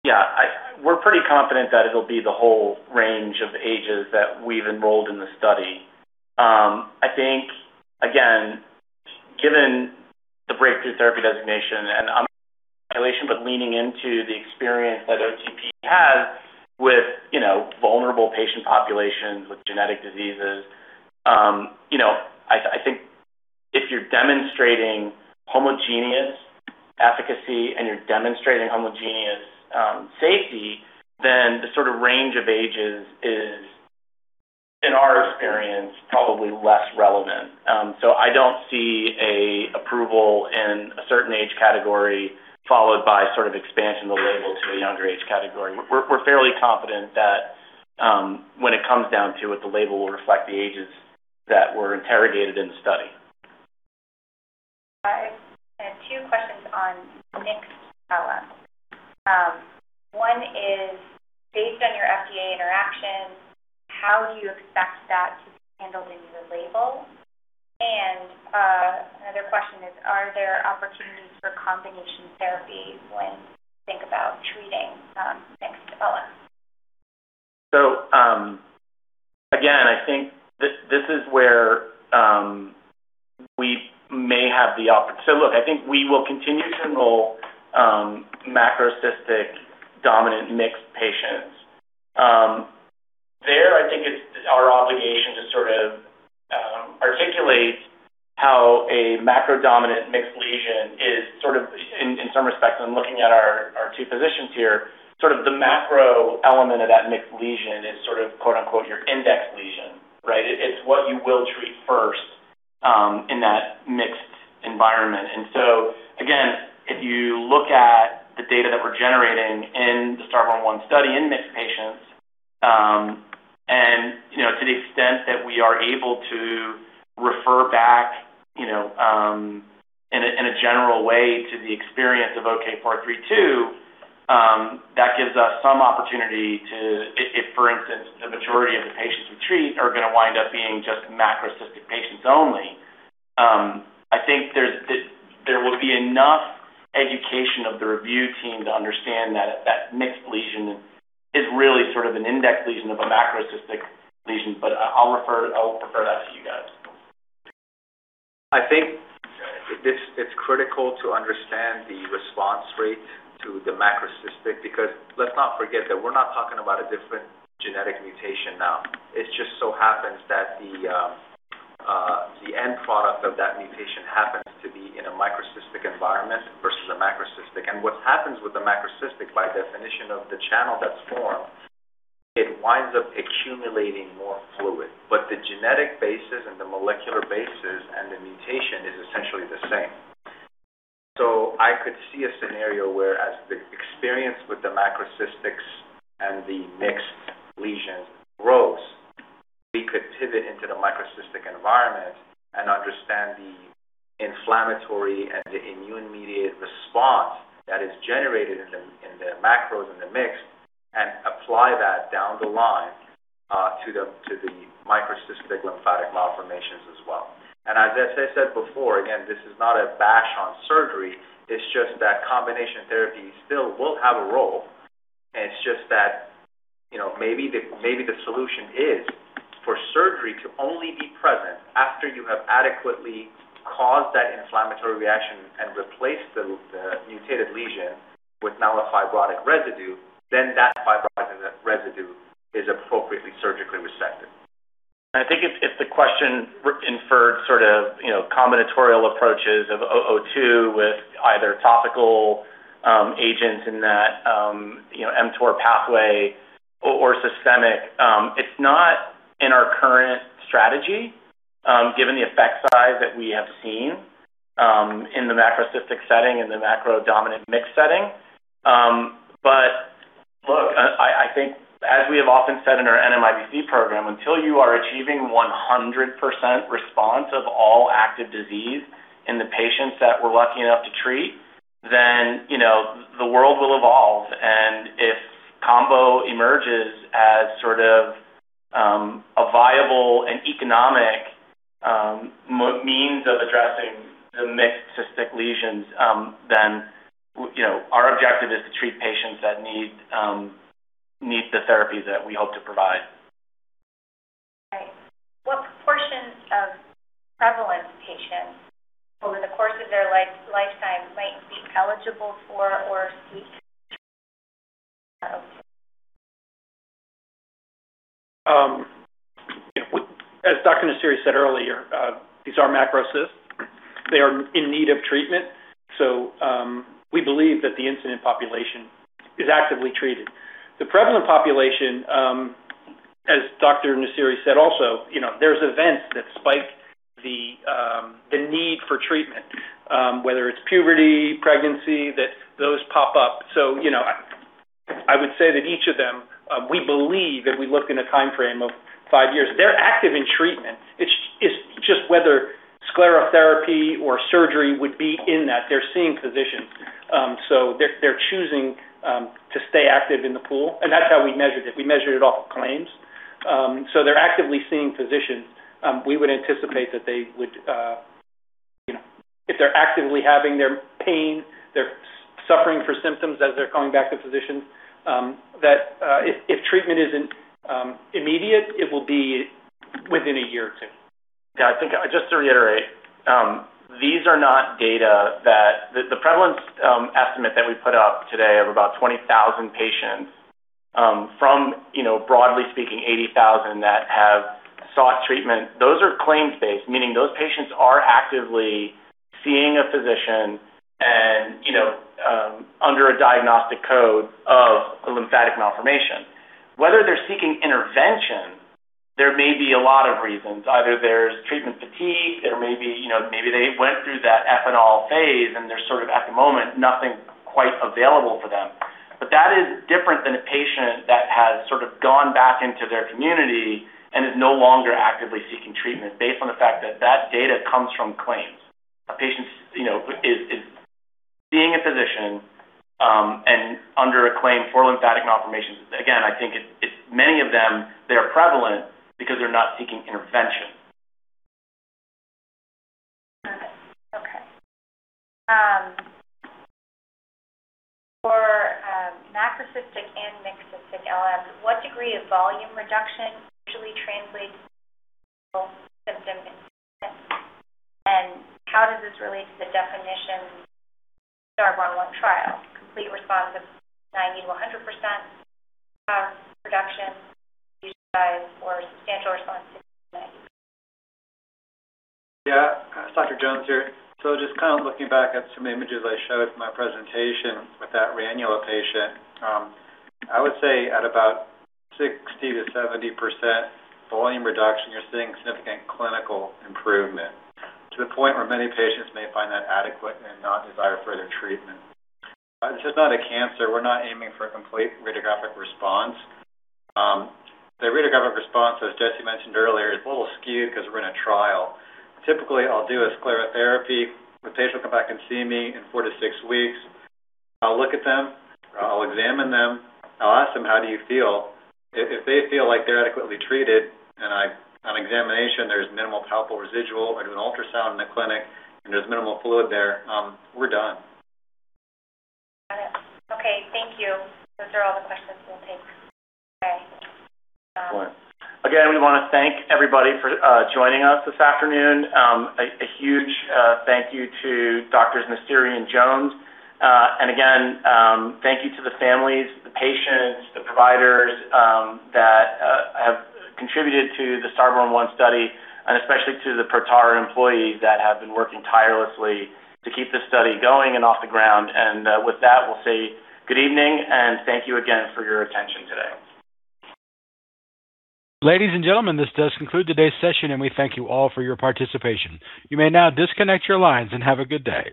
Yeah. We're pretty confident that it'll be the whole range of ages that we've enrolled in the study. I think, again, given the Breakthrough Therapy Designation. look, I think we will continue to enroll macrocystic dominant mixed patients. There, I think it's our obligation to sort of articulate how a macro dominant mixed lesion is sort of, in some respects, I'm looking at our two positions here, sort of the macro element of that mixed lesion is sort of quote unquote, "Your index lesion." Right. It's what you will treat first in that mixed environment. Again, if you look at the data that we're generating in the STARBORN-1 study in mixed patients, and, you know, to the extent that we are able to refer back, you know, in a, in a general way to the experience of OK-432, that gives us some opportunity to if, for instance, the majority of the patients we treat are gonna wind up being just macrocystic patients only. I think there will be enough education of the review team to understand that mixed lesion is really sort of an index lesion of a macrocystic lesion. I will refer that to you guys. I think this, it's critical to understand the response rate to the macrocystic, because let's not forget that we're not talking about a different genetic mutation now. It just so happens that the end product of that mutation happens to be in a microcystic environment versus a macrocystic. What happens with the macrocystic, by definition of the channel that's formed, it winds up accumulating more fluid. The genetic basis and the molecular basis and the mutation is essentially the same. I could see a scenario where as the experience with the macrocystics and the mixed lesions grows, we could pivot into the microcystic environment and understand the inflammatory and the immune-mediated response that is generated in the, in the macros and the mix, and apply that down the line to the, to the microcystic lymphatic malformations as well. As I said before, again, this is not a bash on surgery, it's just that combination therapy still will have a role, and it's just that, you know, maybe the solution is for surgery to only be present after you have adequately caused that inflammatory reaction and replaced the mutated lesion with now a fibrotic residue, then that fibrotic residue is appropriately surgically resected. I think if the question inferred sort of, you know, combinatorial approaches of 002 with either topical agents in that, you know, mTOR pathway or systemic, it's not in our current strategy, given the effect size that we have seen in the macrocystic setting and the macro dominant mixed setting. Look, I think as we have often said in our NMIBC program, until you are achieving 100% response of all active disease in the patients that we're lucky enough to treat, then, you know, the world will evolve. If combo emerges as sort of, a viable and economic means of addressing the mixed cystic lesions, then, you know, our objective is to treat patients that need the therapies that we hope to provide. Right. What proportions of prevalent patients over the course of their lifetime might be eligible for or seek? As Dr. Nassiri said earlier, these are macrocyst. They are in need of treatment. We believe that the incident population is actively treated. The prevalent population, as Dr. Nassiri said also, you know, there's events that spike the need for treatment, whether it's puberty, pregnancy, that those pop up. You know, I would say that each of them, we believe if we look in a timeframe of five years, they're active in treatment. It's just whether sclerotherapy or surgery would be in that. They're seeing physicians, so they're choosing to stay active in the pool, and that's how we measured it. We measured it off claims. They're actively seeing physicians. We would anticipate that they would, you know, if they're actively having their pain, they're suffering for symptoms as they're going back to physicians, that, if treatment isn't immediate, it will be within a year or two. Yeah, I think just to reiterate, these are not data that the prevalence estimate that we put up today of about 20,000 patients, from, you know, broadly speaking, 80,000 that have sought treatment, those are claims-based, meaning those patients are actively seeing a physician and, you know, under a diagnostic code of a lymphatic malformation. Whether they're seeking intervention, there may be a lot of reasons. Either there's treatment fatigue, there may be, you know, maybe they went through that ethanol phase and there's sort of at the moment nothing quite available for them. That is different than a patient that has sort of gone back into their community and is no longer actively seeking treatment based on the fact that that data comes from claims. A patient, you know, is seeing a physician, under a claim for lymphatic malformations. Again, I think many of them, they're prevalent because they're not seeking intervention. All right. Okay. Macrocystic and mixed cystic LMs, what degree of volume reduction usually translates to symptom improvement? How does this relate to the definition of the STARBORN-1 trial? Complete response of 90%-100% reduction in cyst size or substantial response to treatment? Yeah. Dr. Jones here. Just kind of looking back at some images I showed from my presentation with that ranula patient, I would say at about 60%-70% volume reduction, you're seeing significant clinical improvement to the point where many patients may find that adequate and not desire further treatment. This is not a cancer. We're not aiming for a complete radiographic response. The radiographic response, as Jesse mentioned earlier, is a little skewed 'cause we're in a trial. Typically, I'll do a sclerotherapy. The patient will come back and see me in four to six weeks. I'll look at them. I'll examine them. I'll ask them, "How do you feel?" If they feel like they're adequately treated and on examination, there's minimal palpable residual, I do an ultrasound in the clinic and there's minimal fluid there, we're done. Got it. Okay, thank you. Those are all the questions we'll take today. Excellent. Again, we wanna thank everybody for joining us this afternoon. A huge thank you to Doctors Nassiri and Jones. Again, thank you to the families, the patients, the providers that have contributed to the STARBORN-1 study, and especially to the Protara employees that have been working tirelessly to keep this study going and off the ground. With that, we'll say good evening, and thank you again for your attention today. Ladies and gentlemen, this does conclude today's session, and we thank you all for your participation. You may now disconnect your lines and have a good day.